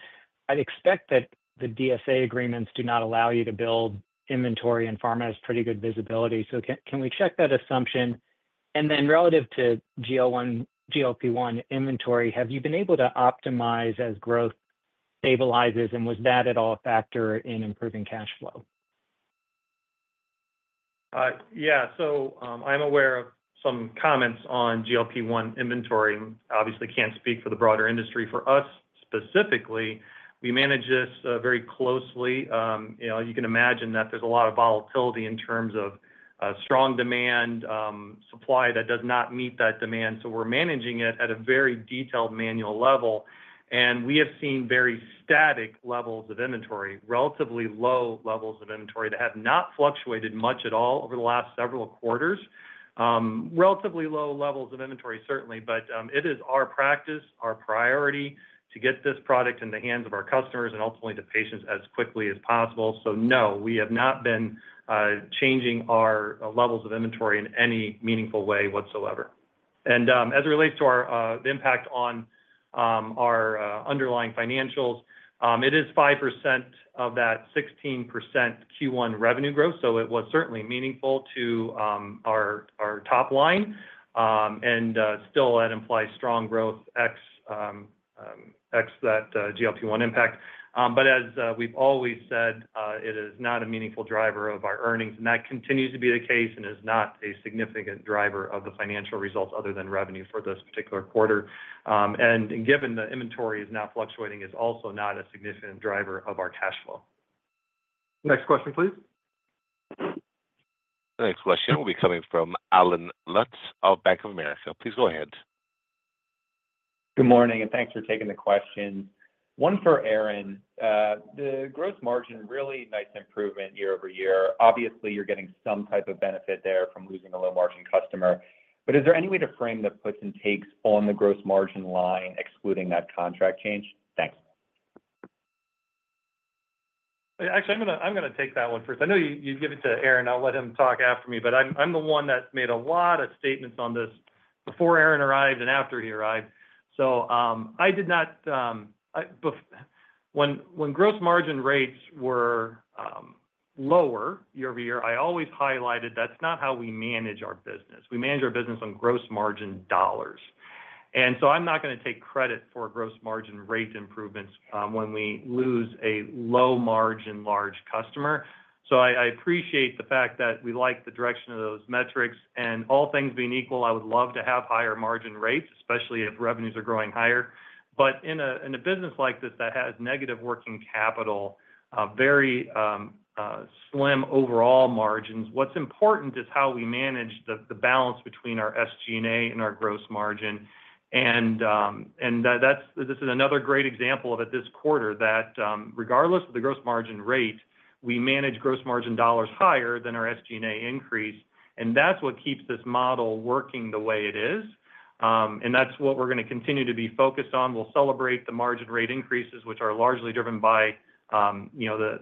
I'd expect that the DSA agreements do not allow you to build inventory in Pharma as pretty good visibility. So can we check that assumption? And then relative to GLP-1 inventory, have you been able to optimize as growth stabilizes, and was that at all a factor in improving cash flow? Yeah. So I'm aware of some comments on GLP-1 inventory. Obviously, can't speak for the broader industry. For us specifically, we manage this very closely. You can imagine that there's a lot of volatility in terms of strong demand, supply that does not meet that demand. So we're managing it at a very detailed manual level. And we have seen very static levels of inventory, relatively low levels of inventory that have not fluctuated much at all over the last several quarters. Relatively low levels of inventory, certainly, but it is our practice, our priority to get this product in the hands of our customers and ultimately the patients as quickly as possible. So no, we have not been changing our levels of inventory in any meaningful way whatsoever. And as it relates to the impact on our underlying financials, it is 5% of that 16% Q1 revenue growth. So it was certainly meaningful to our top line. And still, that implies strong growth ex that GLP-1 impact. But as we've always said, it is not a meaningful driver of our earnings, and that continues to be the case and is not a significant driver of the financial results other than revenue for this particular quarter. And given the inventory is now fluctuating, it's also not a significant driver of our cash flow. Next question, please. The next question will be coming from Allen Lutz of Bank of America. Please go ahead. Good morning, and thanks for taking the question. One for Aaron. The gross margin, really nice improvement year over year. Obviously, you're getting some type of benefit there from losing a low-margin customer. But is there any way to frame the puts and takes on the gross margin line, excluding that contract change? Thanks. Actually, I'm going to take that one first. I know you give it to Aaron. I'll let him talk after me, but I'm the one that made a lot of statements on this before Aaron arrived and after he arrived. So I did not, when gross margin rates were lower year over year, I always highlighted that's not how we manage our business. We manage our business on gross margin dollars. And so I'm not going to take credit for gross margin rate improvements when we lose a low-margin large customer. So I appreciate the fact that we like the direction of those metrics. And all things being equal, I would love to have higher margin rates, especially if revenues are growing higher. But in a business like this that has negative working capital, very slim overall margins, what's important is how we manage the balance between our SG&A and our gross margin. This is another great example of it this quarter that regardless of the gross margin rate, we manage gross margin dollars higher than our SG&A increase. And that's what keeps this model working the way it is. And that's what we're going to continue to be focused on. We'll celebrate the margin rate increases, which are largely driven by the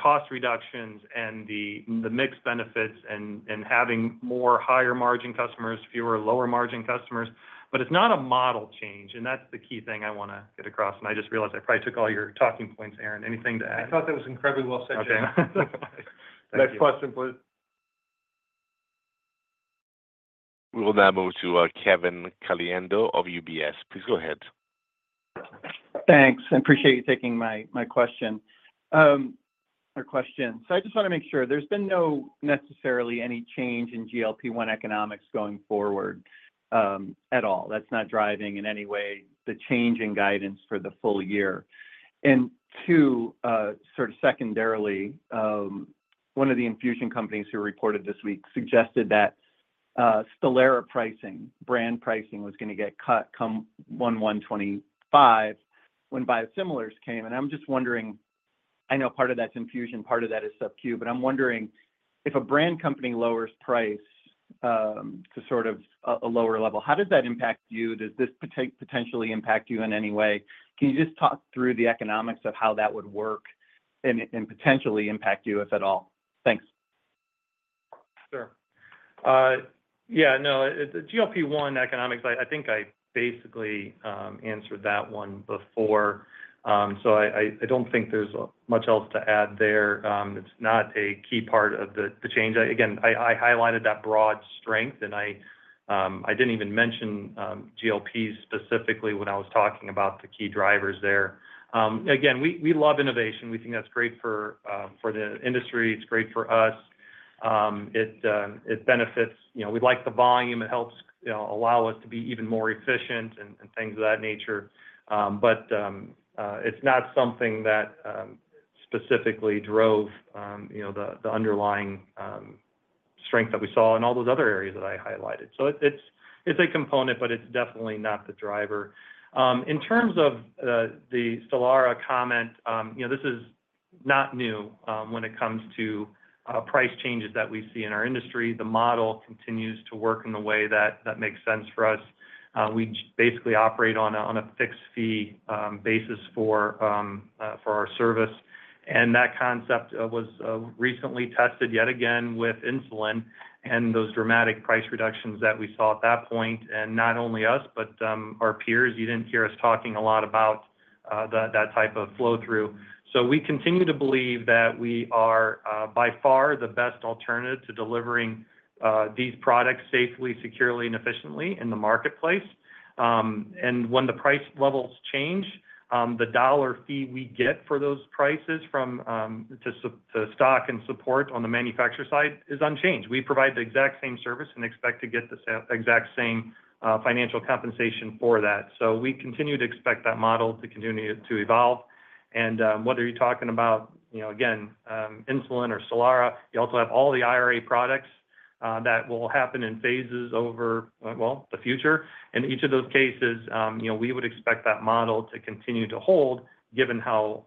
cost reductions and the mix benefits and having more higher-margin customers, fewer lower-margin customers. But it's not a model change, and that's the key thing I want to get across. And I just realized I probably took all your talking points, Aaron. Anything to add? I thought that was incredibly well said, Jason. Next question, please. We will now move to Kevin Caliendo of UBS. Please go ahead. Thanks. I appreciate you taking my question. So I just want to make sure. There's been no necessarily any change in GLP-1 economics going forward at all. That's not driving in any way the change in guidance for the full year. And two, sort of secondarily, one of the infusion companies who reported this week suggested that Stelara pricing, brand pricing, was going to get cut come January 1, 2025 when biosimilars came. And I'm just wondering, I know part of that's infusion, part of that is sub-Q, but I'm wondering if a brand company lowers price to sort of a lower level, how does that impact you? Does this potentially impact you in any way? Can you just talk through the economics of how that would work and potentially impact you, if at all? Thanks. Sure. Yeah. No, the GLP-1 economics, I think I basically answered that one before. So I don't think there's much else to add there. It's not a key part of the change. Again, I highlighted that broad strength, and I didn't even mention GLP specifically when I was talking about the key drivers there. Again, we love innovation. We think that's great for the industry. It's great for us. It benefits. We like the volume. It helps allow us to be even more efficient and things of that nature. But it's not something that specifically drove the underlying strength that we saw in all those other areas that I highlighted. So it's a component, but it's definitely not the driver. In terms of the Stelara comment, this is not new when it comes to price changes that we see in our industry. The model continues to work in a way that makes sense for us. We basically operate on a fixed fee basis for our service. That concept was recently tested yet again with insulin and those dramatic price reductions that we saw at that point. Not only us, but our peers, you didn't hear us talking a lot about that type of flow-through. We continue to believe that we are by far the best alternative to delivering these products safely, securely, and efficiently in the marketplace. When the price levels change, the dollar fee we get for those prices to stock and support on the manufacturer side is unchanged. We provide the exact same service and expect to get the exact same financial compensation for that. We continue to expect that model to continue to evolve. Whether you're talking about, again, insulin or Stelara, you also have all the IRA products that will happen in phases over, well, the future. In each of those cases, we would expect that model to continue to hold, given how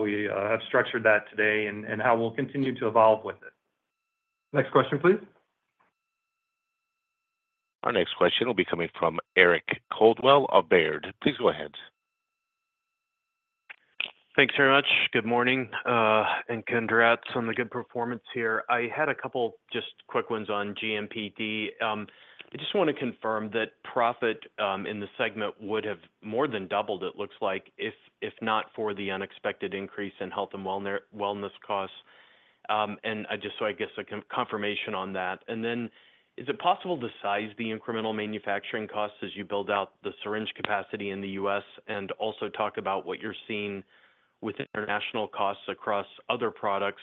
we have structured that today and how we'll continue to evolve with it. Next question, please. Our next question will be coming from Eric Coldwell of Baird. Please go ahead. Thanks very much. Good morning and congrats on the good performance here. I had a couple of just quick ones on GMPD. I just want to confirm that profit in the segment would have more than doubled, it looks like, if not for the unexpected increase in Health and Wellness costs. And just so I get some confirmation on that. And then, is it possible to size the incremental manufacturing costs as you build out the syringe capacity in the US and also talk about what you're seeing with international costs across other products?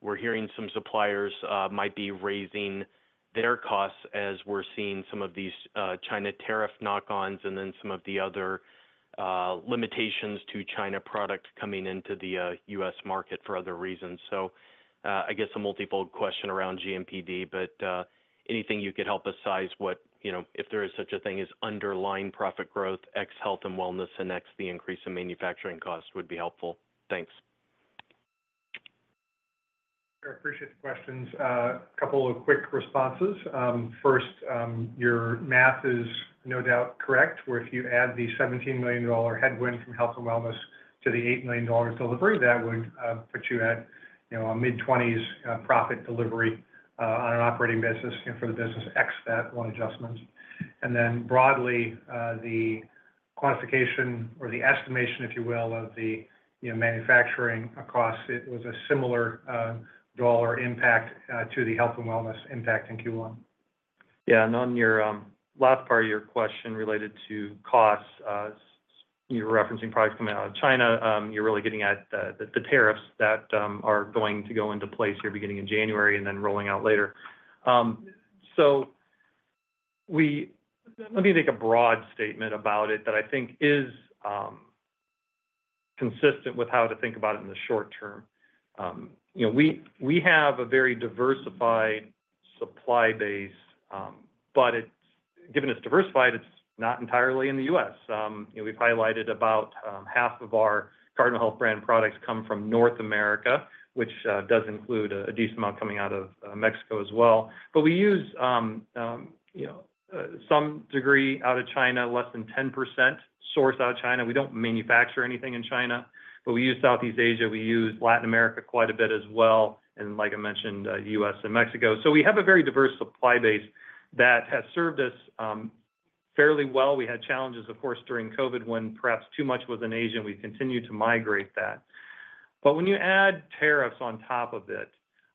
We're hearing some suppliers might be raising their costs as we're seeing some of these China tariff knock-ons and then some of the other limitations to China product coming into the US market for other reasons. So I guess a multiple question around GMPD, but anything you could help us size what, if there is such a thing as underlying profit growth, ex-Health and Wellness, and ex the increase in manufacturing costs would be helpful? Thanks. I appreciate the questions. A couple of quick responses. First, your math is no doubt correct, where if you add the $17 million headwind from Health and Wellness to the $8 million delivery, that would put you at a mid-20s profit delivery on an operating business for the business ex that one adjustment. And then, broadly, the quantification or the estimation, if you will, of the manufacturing costs. It was a similar dollar impact to the Health and Wellness impact in Q1. Yeah. And on your last part of your question related to costs, you were referencing products coming out of China. You're really getting at the tariffs that are going to go into place here beginning in January and then rolling out later. So let me make a broad statement about it that I think is consistent with how to think about it in the short term. We have a very diversified supply base, but given it's diversified, it's not entirely in the U.S. We've highlighted about half of our Cardinal Health brand products come from North America, which does include a decent amount coming out of Mexico as well. But we use some degree out of China, less than 10% source out of China. We don't manufacture anything in China, but we use Southeast Asia. We use Latin America quite a bit as well, and like I mentioned, U.S. and Mexico, so we have a very diverse supply base that has served us fairly well. We had challenges, of course, during COVID when perhaps too much was in Asia. We've continued to migrate that, but when you add tariffs on top of it,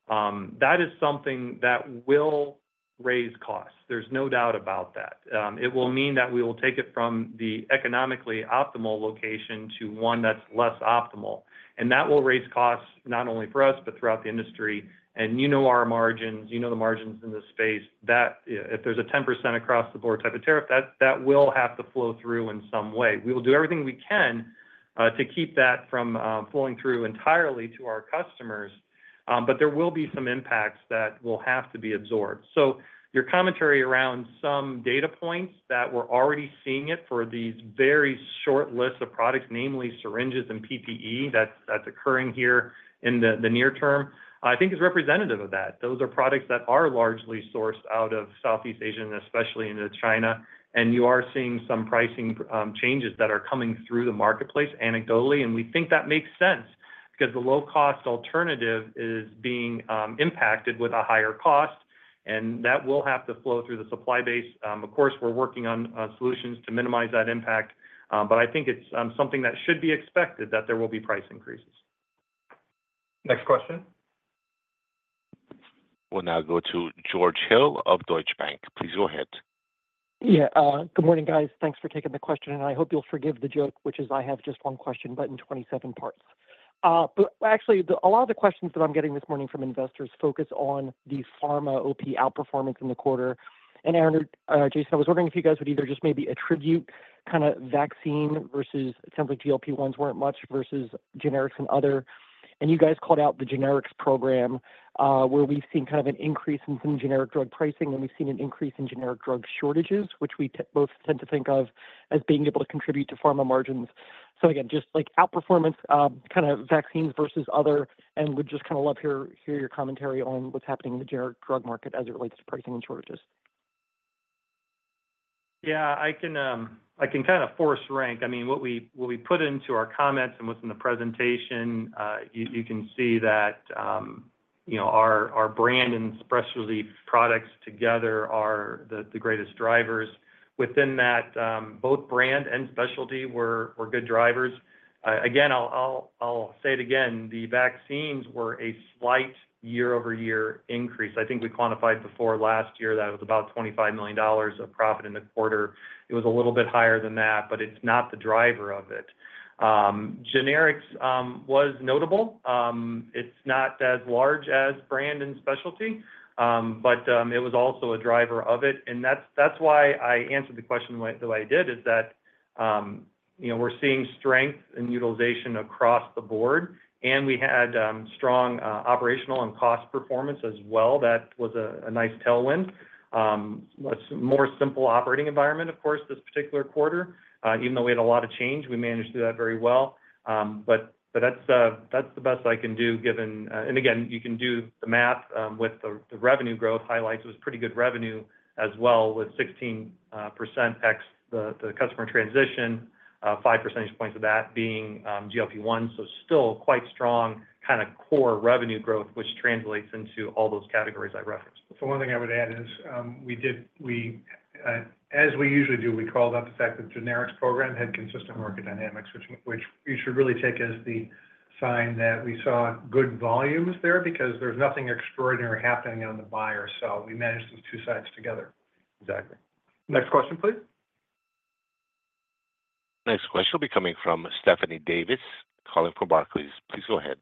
that is something that will raise costs. There's no doubt about that. It will mean that we will take it from the economically optimal location to one that's less optimal, and that will raise costs not only for us, but throughout the industry, and you know our margins, you know the margins in this space. If there's a 10% across the board type of tariff, that will have to flow through in some way. We will do everything we can to keep that from flowing through entirely to our customers, but there will be some impacts that will have to be absorbed, so your commentary around some data points that we're already seeing it for these very short lists of products, namely syringes and PPE, that's occurring here in the near term, I think is representative of that. Those are products that are largely sourced out of Southeast Asia, especially into China, and you are seeing some pricing changes that are coming through the marketplace anecdotally, and we think that makes sense because the low-cost alternative is being impacted with a higher cost, and that will have to flow through the supply base. Of course, we're working on solutions to minimize that impact, but I think it's something that should be expected that there will be price increases. Next question. We'll now go to George Hill of Deutsche Bank. Please go ahead. Yeah.Good morning, guys. Thanks for taking the question. And I hope you'll forgive the joke, which is I have just one question, but in 27 parts. But actually, a lot of the questions that I'm getting this morning from investors focus on the Pharma OP outperformance in the quarter. And Aaron, Jason, I was wondering if you guys would either just maybe attribute kind of vaccine versus it sounds like GLP-1s weren't much versus generics and other. And you guys called out the generics program, where we've seen kind of an increase in some generic drug pricing, and we've seen an increase in generic drug shortages, which we both tend to think of as being able to contribute to Pharma margins, so again, just outperformance, kind of vaccines versus other, and would just kind of love to hear your commentary on what's happening in the generic drug market as it relates to pricing and shortages. Yeah. I can kind of force rank. I mean, what we put into our comments and what's in the presentation, you can see that our brand and specialty products together are the greatest drivers. Within that, both brand and specialty were good drivers. Again, I'll say it again, the vaccines were a slight year-over-year increase. I think we quantified before last year that it was about $25 million of profit in the quarter. It was a little bit higher than that, but it's not the driver of it. Generics was notable. It's not as large as brand and specialty, but it was also a driver of it. And that's why I answered the question the way I did, is that we're seeing strength and utilization across the board. And we had strong operational and cost performance as well. That was a nice tailwind. That's a more simple operating environment, of course, this particular quarter, even though we had a lot of change. We managed through that very well. But that's the best I can do, given and again, you can do the math with the revenue growth highlights. It was pretty good revenue as well, with 16% ex the customer transition, 5 percentage points of that being GLP-1. So still quite strong kind of core revenue growth, which translates into all those categories I referenced. So one thing I would add is, as we usually do, we called out the fact that the generics program had consistent market dynamics, which we should really take as the sign that we saw good volumes there because there's nothing extraordinary happening on the buyer. So we managed those two sides together. Exactly. Next question, please. Next question will be coming from Stephanie Davis, calling from Barclays. Please go ahead.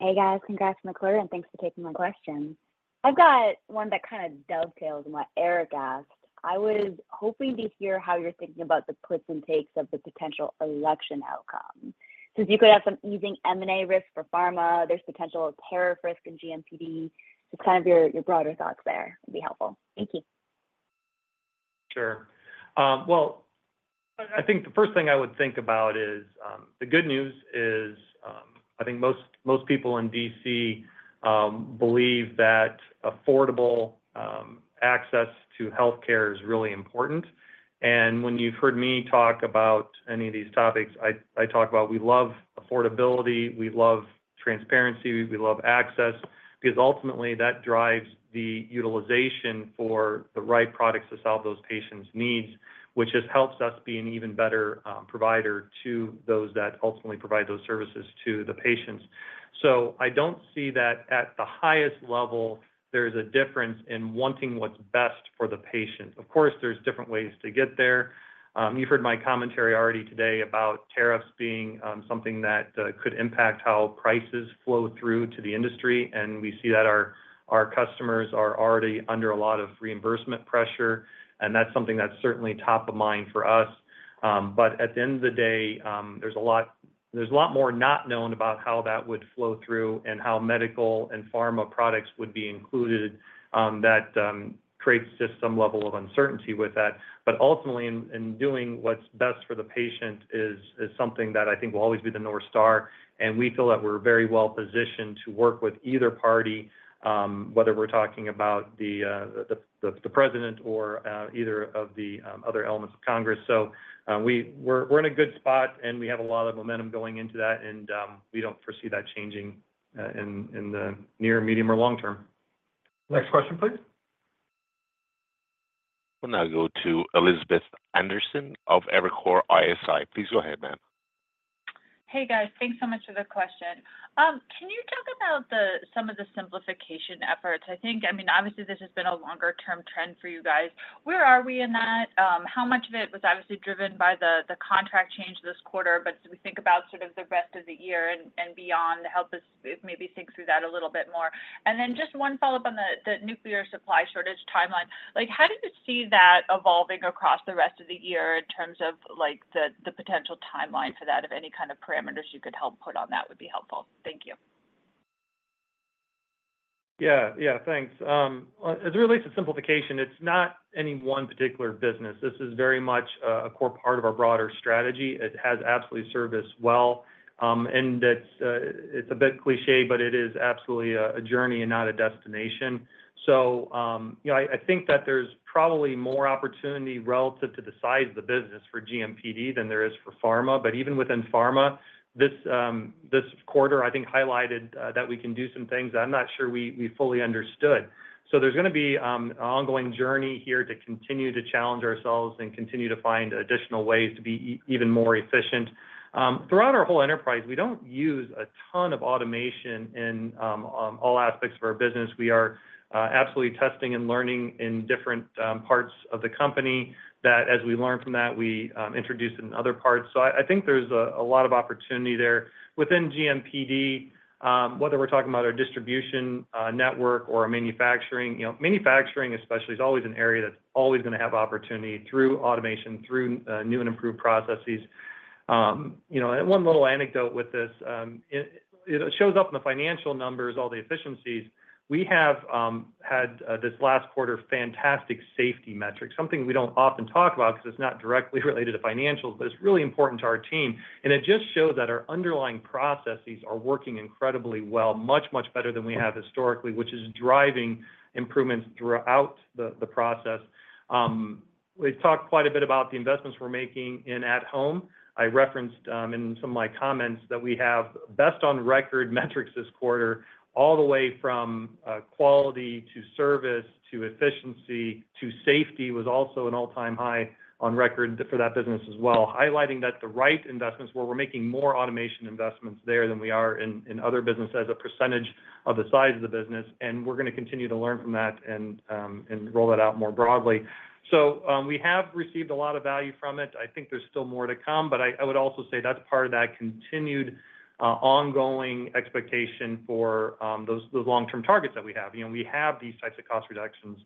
Hey, guys. Congrats, on the quarter, and thanks for taking my question. I've got one that kind of dovetails in what Eric asked. I was hoping to hear how you're thinking about the puts and takes of the potential election outcome. Since you could have some easing M&A risk for Pharma, there's potential tariff risk in GMPD. Just kind of your broader thoughts there would be helpful. Thank you. Sure. Well, I think the first thing I would think about is the good news is I think most people in DC believe that affordable access to healthcare is really important. And when you've heard me talk about any of these topics, I talk about we love affordability. We love transparency. We love access because ultimately that drives the utilization for the right products to solve those patients' needs, which just helps us be an even better provider to those that ultimately provide those services to the patients. So I don't see that at the highest level, there's a difference in wanting what's best for the patient. Of course, there's different ways to get there. You've heard my commentary already today about tariffs being something that could impact how prices flow through to the industry. And we see that our customers are already under a lot of reimbursement pressure. And that's something that's certainly top of mind for us. But at the end of the day, there's a lot more not known about how that would flow through and how medical and Pharma products would be included that creates just some level of uncertainty with that. But ultimately, in doing what's best for the patient is something that I think will always be the North Star. And we feel that we're very well positioned to work with either party, whether we're talking about the president or either of the other elements of Congress. So we're in a good spot, and we have a lot of momentum going into that. And we don't foresee that changing in the near, medium, or long term. Next question, please. We'll now go to Elizabeth Anderson of Evercore ISI. Please go ahead, ma'am. Hey, guys. Thanks so much for the question. Can you talk about some of the simplification efforts? I mean, obviously, this has been a longer-term trend for you guys. Where are we in that? How much of it was obviously driven by the contract change this quarter? But as we think about sort of the rest of the year and beyond, help us maybe think through that a little bit more. And then just one follow-up on the nuclear supply shortage timeline. How do you see that evolving across the rest of the year in terms of the potential timeline for that, if any kind of parameters you could help put on that would be helpful? Thank you. Yeah. Yeah. Thanks. As it relates to simplification, it's not any one particular business. This is very much a core part of our broader strategy. It has absolutely served us well, and it's a bit cliché, but it is absolutely a journey and not a destination, so I think that there's probably more opportunity relative to the size of the business for GMPD than there is for Pharma, but even within Pharma, this quarter, I think, highlighted that we can do some things that I'm not sure we fully understood, so there's going to be an ongoing journey here to continue to challenge ourselves and continue to find additional ways to be even more efficient. Throughout our whole enterprise, we don't use a ton of automation in all aspects of our business. We are absolutely testing and learning in different parts of the company that, as we learn from that, we introduce in other parts. I think there's a lot of opportunity there. Within GMPD, whether we're talking about our distribution network or manufacturing, manufacturing especially is always an area that's always going to have opportunity through automation, through new and improved processes. One little anecdote with this, it shows up in the financial numbers, all the efficiencies. We have had this last quarter fantastic safety metrics, something we don't often talk about because it's not directly related to financials, but it's really important to our team. It just shows that our underlying processes are working incredibly well, much, much better than we have historically, which is driving improvements throughout the process. We talked quite a bit about the investments we're making in at-Home. I referenced in some of my comments that we have best on record metrics this quarter, all the way from quality to service to efficiency to safety was also an all-time high on record for that business as well, highlighting that the right investments where we're making more automation investments there than we are in Other businesses as a percentage of the size of the business, and we're going to continue to learn from that and roll that out more broadly, so we have received a lot of value from it. I think there's still more to come, but I would also say that's part of that continued ongoing expectation for those long-term targets that we have, we have these types of cost reductions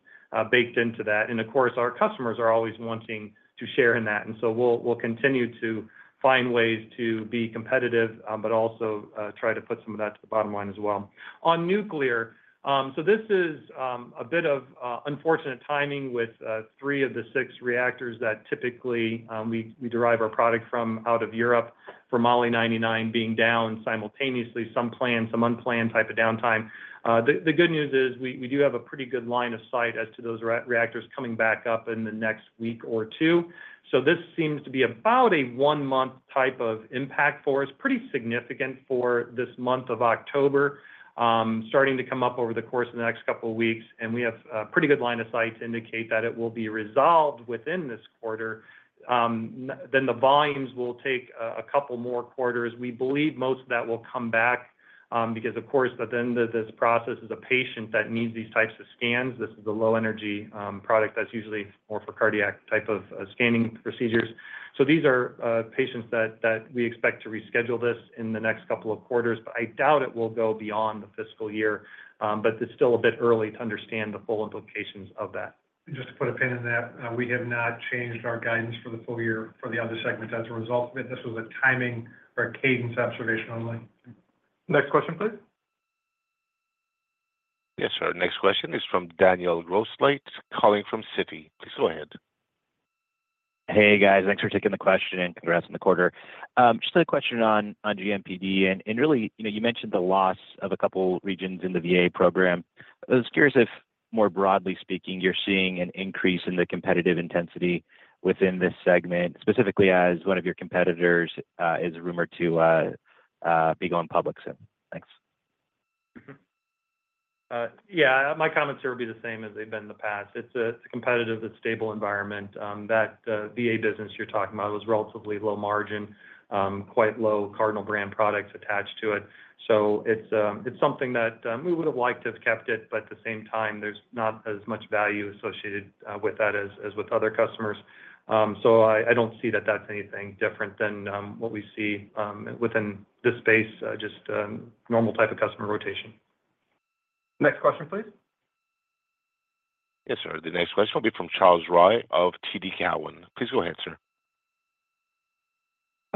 baked into that, and of course, our customers are always wanting to share in that. And so we'll continue to find ways to be competitive, but also try to put some of that to the bottom line as well. On nuclear, so this is a bit of unfortunate timing with three of the six reactors that typically we derive our product from out of Europe for Mo-99 being down simultaneously, some planned, some unplanned type of downtime. The good news is we do have a pretty good line of sight as to those reactors coming back up in the next week or two. So this seems to be about a one-month type of impact for us, pretty significant for this month of October, starting to come up over the course of the next couple of weeks. And we have a pretty good line of sight to indicate that it will be resolved within this quarter. Then the volumes will take a couple more quarters. We believe most of that will come back because, of course, at the end of this process is a patient that needs these types of scans. This is a low-energy product that's usually more for cardiac type of scanning procedures. So these are patients that we expect to reschedule this in the next couple of quarters. But I doubt it will go beyond the fiscal year. But it's still a bit early to understand the full implications of that. Just to put a pin in that, we have not changed our guidance for the full year for the Other segments as a result of it. This was a timing or a cadence observation only. Next question, please. Yes, sir. Next question is from Daniel Grosslight calling from Citi. Please go ahead. Hey, guys. Thanks for taking the question and congrats on the quarter. Just a question on GMPD. And really, you mentioned the loss of a couple of regions in the VA program. I was curious if, more broadly speaking, you're seeing an increase in the competitive intensity within this segment, specifically as one of your competitors is rumored to be going public soon. Thanks. Yeah. My comments here would be the same as they've been in the past. It's a competitive, it's a stable environment. That VA business you're talking about was relatively low margin, quite low Cardinal brand products attached to it. So it's something that we would have liked to have kept it, but at the same time, there's not as much value associated with that as with other customers. So I don't see that that's anything different than what we see within this space, just normal type of customer rotation. Next question, please. Yes, sir. The next question will be from Charles Rhyee of TD Cowen. Please go ahead, sir.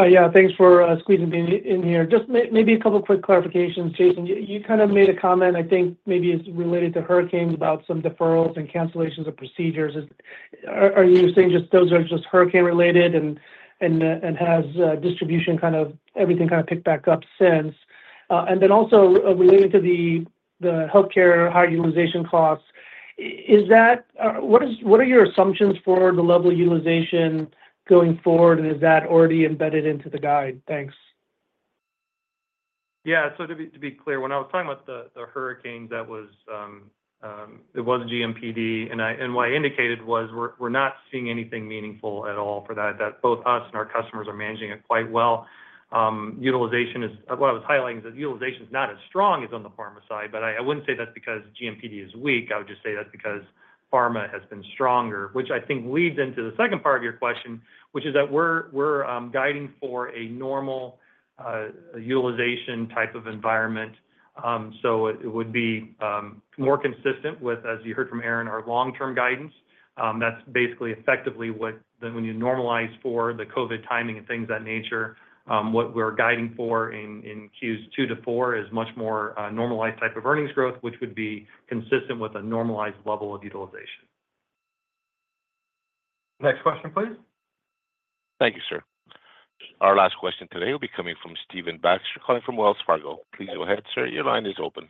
Yeah. Thanks for squeezing in here. Just maybe a couple of quick clarifications. Jason, you kind of made a comment, I think maybe it's related to hurricanes about some deferrals and cancellations of procedures. Are you saying just those are just hurricane-related and has distribution kind of everything kind of picked back up since? And then also relating to the healthcare higher utilization costs, what are your assumptions for the level of utilization going forward, and is that already embedded into the guide? Thanks. Yeah. So to be clear, when I was talking about the hurricanes, it was GMPD. And what I indicated was we're not seeing anything meaningful at all for that. Both us and our customers are managing it quite well. What I was highlighting is that utilization is not as strong as on the Pharma side. But I wouldn't say that's because GMPD is weak. I would just say that's because Pharma has been stronger, which I think leads into the second part of your question, which is that we're guiding for a normal utilization type of environment. So it would be more consistent with, as you heard from Aaron, our long-term guidance. That's basically effectively what when you normalize for the COVID timing and things of that nature, what we're guiding for in Qs 2 to 4 is much more normalized type of earnings growth, which would be consistent with a normalized level of utilization. Next question, please. Thank you, sir. Our last question today will be coming from Stephen Baxter calling from Wells Fargo. Please go ahead, sir. Your line is open.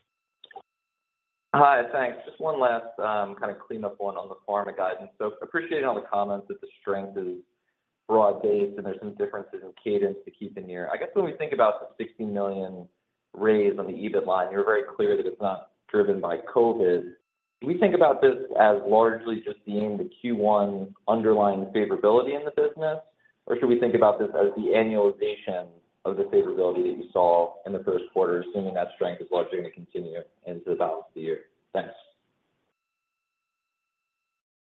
Hi. Thanks. Just one last kind of cleanup one on the Pharma guidance. So appreciating all the comments that the strength is broad-based and there's some differences in cadence to keep in here. I guess when we think about the $16 million raise on the EBIT line, you're very clear that it's not driven by COVID. Do we think about this as largely just being the Q1 underlying favorability in the business, or should we think about this as the annualization of the favorability that you saw in the Q1, assuming that strength is largely going to continue into the balance of the year? Thanks.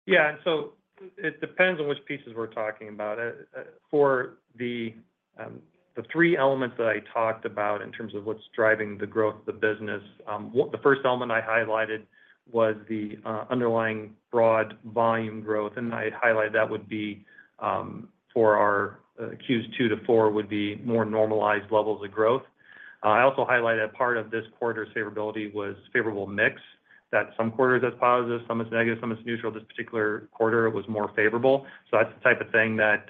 Yeah. And so it depends on which pieces we're talking about. For the three elements that I talked about in terms of what's driving the growth of the business, the first element I highlighted was the underlying broad volume growth. And I highlighted that would be for our Q2 to Q4 would be more normalized levels of growth. I also highlighted that part of this quarter's favorability was favorable mix. That some quarters as positive, some as negative, some as neutral. This particular quarter was more favorable. So that's the type of thing that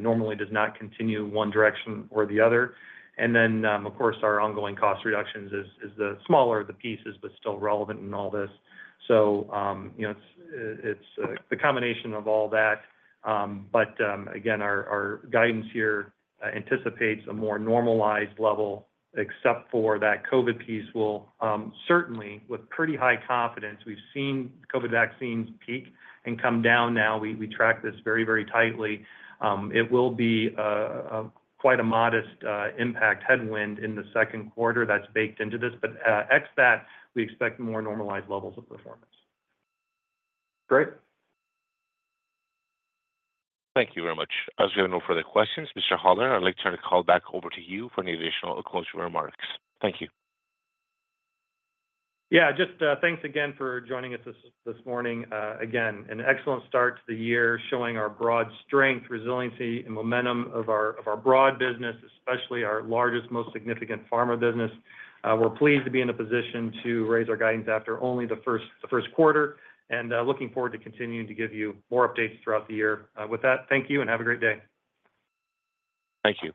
normally does not continue one direction or the other. And then, of course, our ongoing cost reductions is the smaller of the pieces but still relevant in all this. So it's the combination of all that. But again, our guidance here anticipates a more normalized level except for that COVID piece will certainly, with pretty high confidence, we've seen COVID vaccines peak and come down now. We track this very, very tightly. It will be quite a modest impact headwind in the Q2 that's baked into this. Beyond that, we expect more normalized levels of performance. Great. Thank you very much. As we have no further questions, Mr. Hollar, I'd like to turn the call back over to you for any additional closing remarks. Thank you. Yeah. Just thanks again for joining us this morning. Again, an excellent start to the year showing our broad strength, resiliency, and momentum of our broad business, especially our largest, most significant Pharma business. We're pleased to be in a position to raise our guidance after only the Q1 and looking forward to continuing to give you more updates throughout the year. With that, thank you and have a great day. Thank you.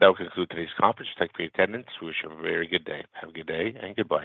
That will conclude today's conference. Thank you for your attendance. We wish you a very good day. Have a good day and good luck.